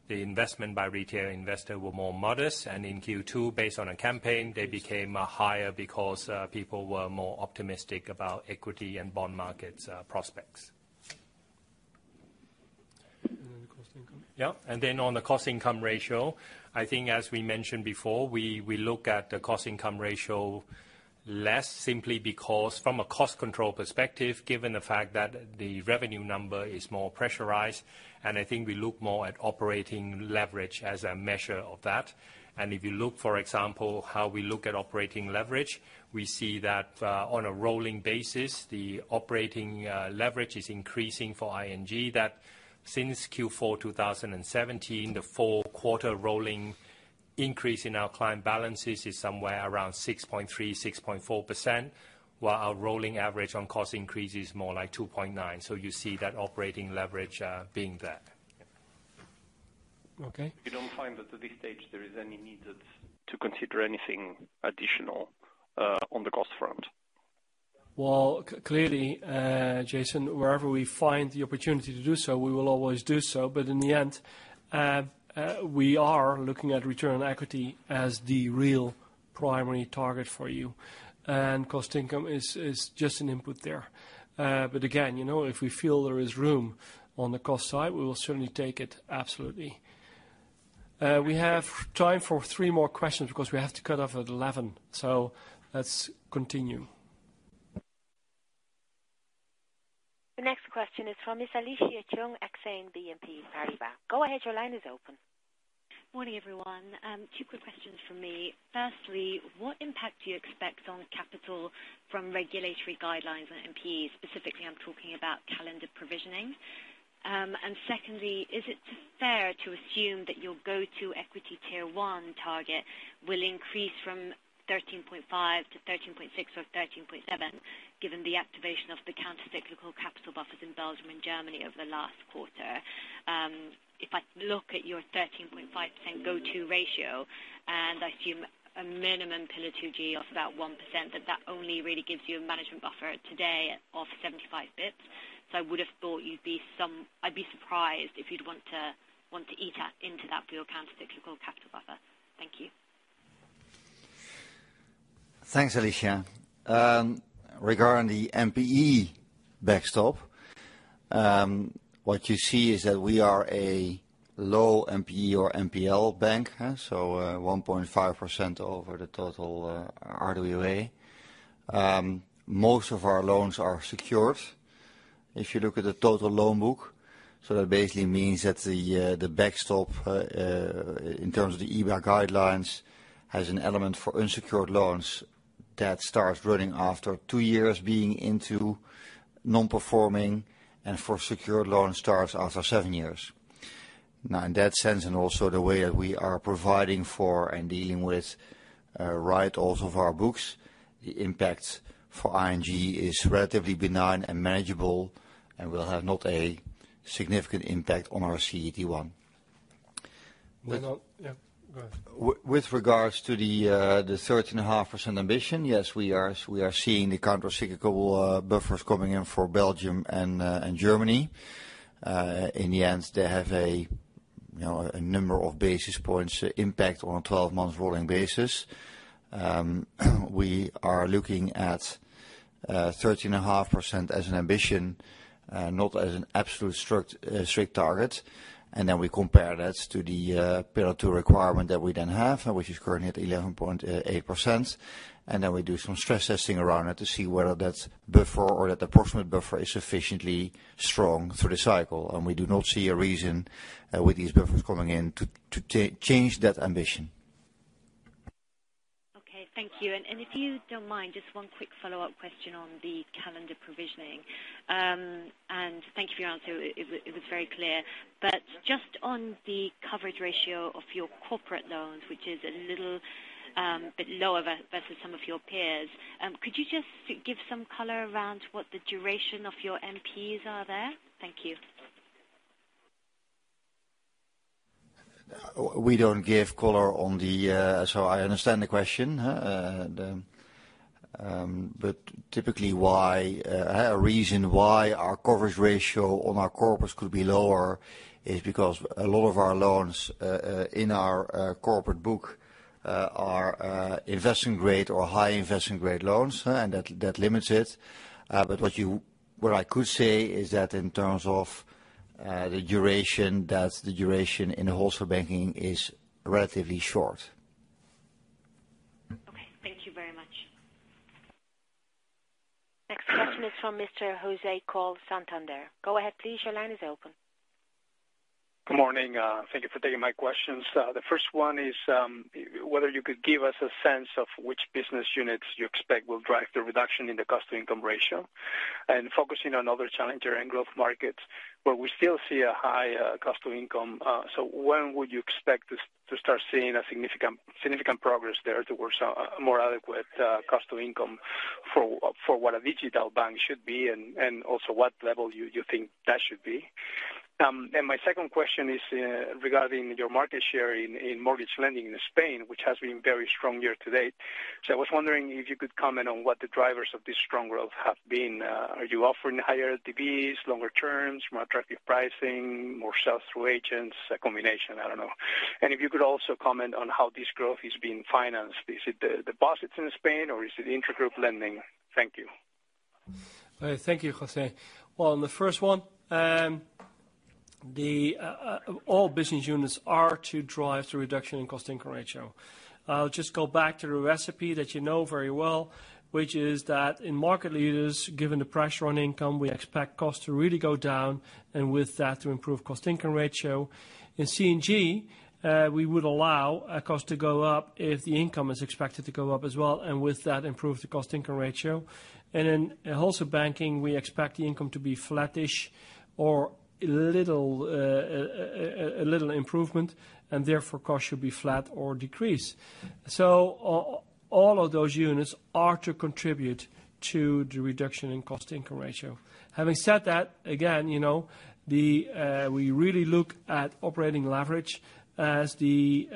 the investment by retail investor were more modest. In Q2, based on a campaign, they became higher because people were more optimistic about equity and bond markets prospects. The cost income. Then on the cost income ratio, I think as we mentioned before, we look at the cost income ratio less, simply because from a cost control perspective, given the fact that the revenue number is more pressurized. I think we look more at operating leverage as a measure of that. If you look, for example, how we look at operating leverage, we see that on a rolling basis, the operating leverage is increasing for ING that since Q4 2017, the four-quarter rolling increase in our client balances is somewhere around 6.3%, 6.4%, while our rolling average on cost increase is more like 2.9%. You see that operating leverage being there. Okay. You don't find that at this stage there is any need to consider anything additional on the cost front? Well, clearly, Jason, wherever we find the opportunity to do so, we will always do so. In the end, we are looking at return on equity as the real primary target for you. Cost income is just an input there. Again, if we feel there is room on the cost side, we will certainly take it, absolutely. We have time for three more questions because we have to cut off at 11:00. Let's continue. The next question is from Ms. Alicia Chung, Exane BNP Paribas. Go ahead, your line is open. Morning, everyone. Two quick questions from me. What impact do you expect on capital from regulatory guidelines on NPE? Specifically, I'm talking about calendar provisioning. Secondly, is it fair to assume that your go-to Equity Tier 1 target will increase from 13.5% to 13.6% or 13.7%, given the activation of the countercyclical capital buffers in Belgium and Germany over the last quarter? If I look at your 13.5% go-to ratio, I assume a minimum Pillar 2G of about 1%, that only really gives you a management buffer today of 75 bps. I would have thought I'd be surprised if you'd want to eat into that for your countercyclical capital buffer. Thank you. Thanks, Alicia. Regarding the NPE backstop, what you see is that we are a low NPE or NPL bank, so 1.5% over the total RWA. Most of our loans are secured. If you look at the total loan book, so that basically means that the backstop, in terms of the EBA guidelines, has an element for unsecured loans that starts running after two years being into non-performing and for secured loan starts after seven years. Now, in that sense, and also the way that we are providing for and dealing with write-offs of our books, the impact for ING is relatively benign and manageable and will have not a significant impact on our CET1. Yeah, go ahead. With regards to the 13.5% ambition, yes, we are seeing the countercyclical buffers coming in for Belgium and Germany. In the end, they have a number of basis points impact on a 12-month rolling basis. We are looking at 13.5% as an ambition, not as an absolute strict target. We compare that to the Pillar 2 requirement that we then have, which is currently at 11.8%. We do some stress testing around it to see whether that buffer or that approximate buffer is sufficiently strong through the cycle. We do not see a reason with these buffers coming in to change that ambition. Okay, thank you. If you don't mind, just one quick follow-up question on the calendar provisioning. Thank you for your answer, it was very clear. Just on the coverage ratio of your corporate loans, which is a little bit lower versus some of your peers, could you just give some color around what the duration of your MPs are there? Thank you. We don't give color on the. I understand the question. Typically, a reason why our coverage ratio on our corpos could be lower is because a lot of our loans in our corporate book are investment-grade or high investment-grade loans, and that limits it. What I could say is that in terms of the duration, that the duration in wholesale banking is relatively short. Okay. Thank you very much. Next question is from Mr. José Coll, Santander. Go ahead, please. Your line is open. Good morning. Thank you for taking my questions. The first one is whether you could give us a sense of which business units you expect will drive the reduction in the cost-to-income ratio. Focusing on other Challengers & Growth Markets, where we still see a high cost-to-income. When would you expect to start seeing a significant progress there towards a more adequate cost-to-income for what a digital bank should be, and also what level you think that should be? My second question is regarding your market share in mortgage lending in Spain, which has been very strong year-to-date. I was wondering if you could comment on what the drivers of this strong growth have been. Are you offering higher LTVs, longer terms, more attractive pricing, more sales through agents, a combination? I don't know. If you could also comment on how this growth is being financed. Is it the deposits in Spain, or is it intergroup lending? Thank you. Thank you, José. Well, on the first one, all business units are to drive the reduction in cost-income ratio. I'll just go back to the recipe that you know very well, which is that in market leaders, given the pressure on income, we expect costs to really go down, and with that, to improve cost-income ratio. In C&G, we would allow a cost to go up if the income is expected to go up as well, and with that improve the cost-income ratio. In wholesale banking, we expect the income to be flattish or a little improvement, and therefore costs should be flat or decrease. All of those units are to contribute to the reduction in cost-income ratio. Having said that, again, we really look at operating leverage as the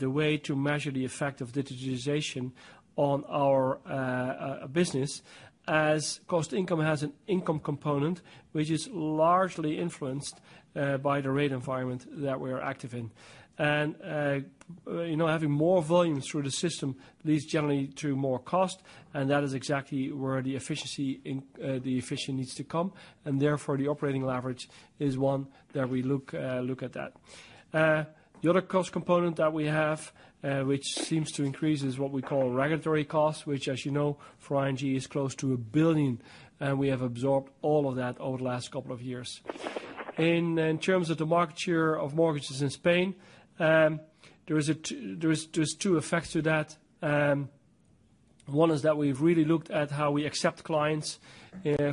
way to measure the effect of digitization on our business, as cost income has an income component, which is largely influenced by the rate environment that we're active in. Having more volume through the system leads generally to more cost, and that is exactly where the efficiency needs to come, and therefore the operating leverage is one that we look at that. The other cost component that we have, which seems to increase, is what we call regulatory costs, which as you know, for ING is close to a billion, and we have absorbed all of that over the last couple of years. In terms of the market share of mortgages in Spain, there is two effects to that. One is that we've really looked at how we accept clients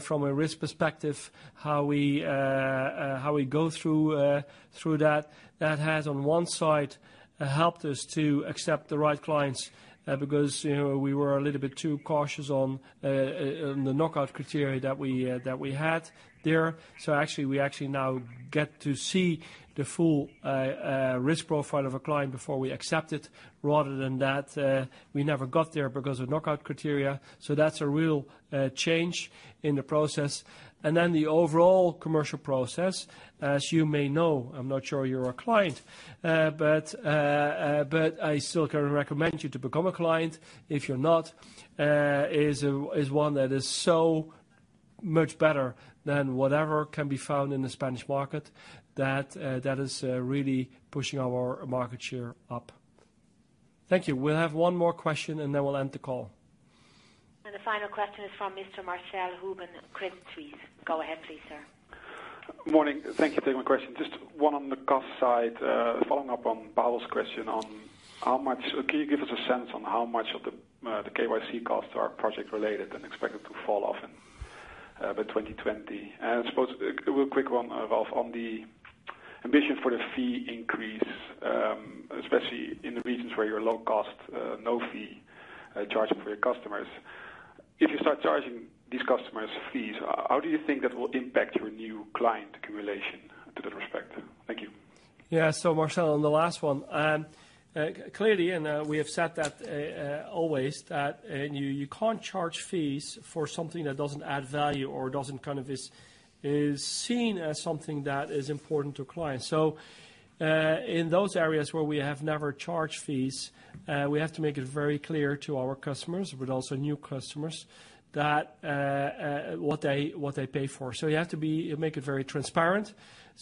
from a risk perspective, how we go through that. That has, on one side, helped us to accept the right clients because we were a little bit too cautious on the knockout criteria that we had there. We actually now get to see the full risk profile of a client before we accept it, rather than that we never got there because of knockout criteria. That's a real change in the process. The overall commercial process, as you may know, I'm not sure you're a client, but I still can recommend you to become a client if you're not, is one that is so much better than whatever can be found in the Spanish market that is really pushing our market share up. Thank you. We'll have one more question, and then we'll end the call. The final question is from Mr. Marcell Houben, Credit Suisse. Go ahead please, sir. Morning. Thank you for taking my question. Just one on the cost side. Following up on Pawel's question on how much, can you give us a sense on how much of the KYC costs are project related and expected to fall off by 2020? I suppose a real quick one, Ralph, on the ambition for the fee increase, especially in the regions where you're low cost, no fee charging for your customers. If you start charging these customers fees, how do you think that will impact your new client accumulation to that respect? Thank you. Yeah. Marcell, on the last one. Clearly, we have said that always, that you can't charge fees for something that doesn't add value or is seen as something that is important to clients. In those areas where we have never charged fees, we have to make it very clear to our customers, but also new customers, what they pay for. You have to make it very transparent.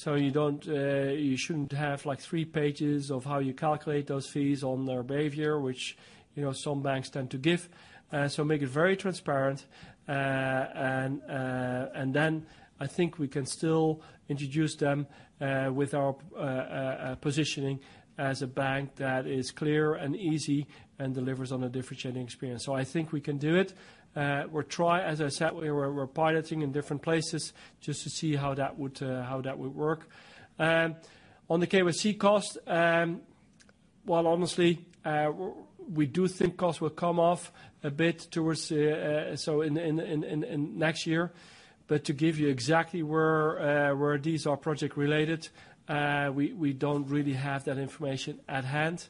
You shouldn't have three pages of how you calculate those fees on their behavior, which some banks tend to give. Make it very transparent, I think we can still introduce them with our positioning as a bank that is clear and easy and delivers on a differentiating experience. I think we can do it. We're trying, as I said, we're piloting in different places just to see how that would work. On the KYC cost, well, honestly, we do think costs will come off a bit in next year. To give you exactly where these are project related, we don't really have that information at hand.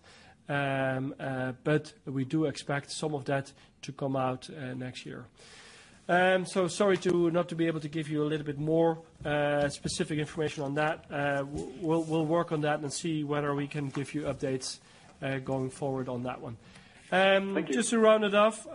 We do expect some of that to come out next year. Sorry not to be able to give you a little bit more specific information on that. We'll work on that and see whether we can give you updates going forward on that one. Thank you. Just to round it off,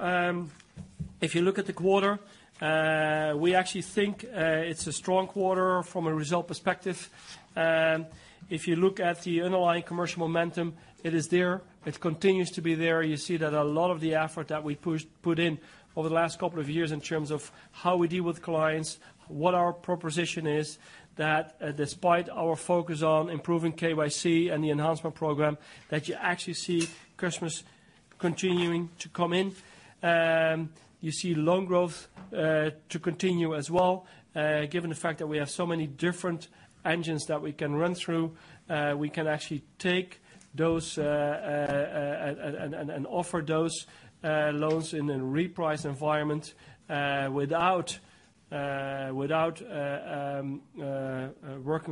if you look at the quarter, we actually think it's a strong quarter from a result perspective. If you look at the underlying commercial momentum, it is there. It continues to be there. You see that a lot of the effort that we put in over the last couple of years in terms of how we deal with clients, what our proposition is, that despite our focus on improving KYC and the enhancement program, that you actually see customers continuing to come in. You see loan growth to continue as well. Given the fact that we have so many different engines that we can run through, we can actually take those and offer those loans in a reprice environment without working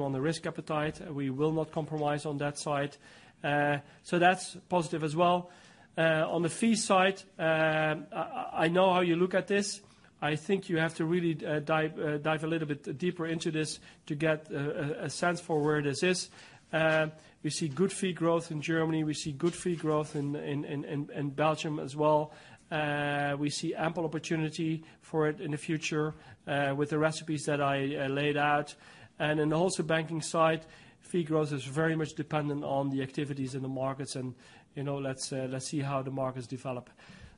on the risk appetite. We will not compromise on that side. That's positive as well. On the fee side, I know how you look at this. I think you have to really dive a little bit deeper into this to get a sense for where this is. We see good fee growth in Germany. We see good fee growth in Belgium as well. We see ample opportunity for it in the future with the recipes that I laid out. In the wholesale banking side, fee growth is very much dependent on the activities in the markets, and let's see how the markets develop.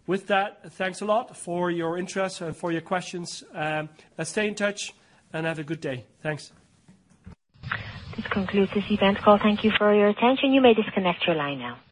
With that, thanks a lot for your interest and for your questions. Let's stay in touch, and have a good day. Thanks. This concludes this event call. Thank you for your attention. You may disconnect your line now.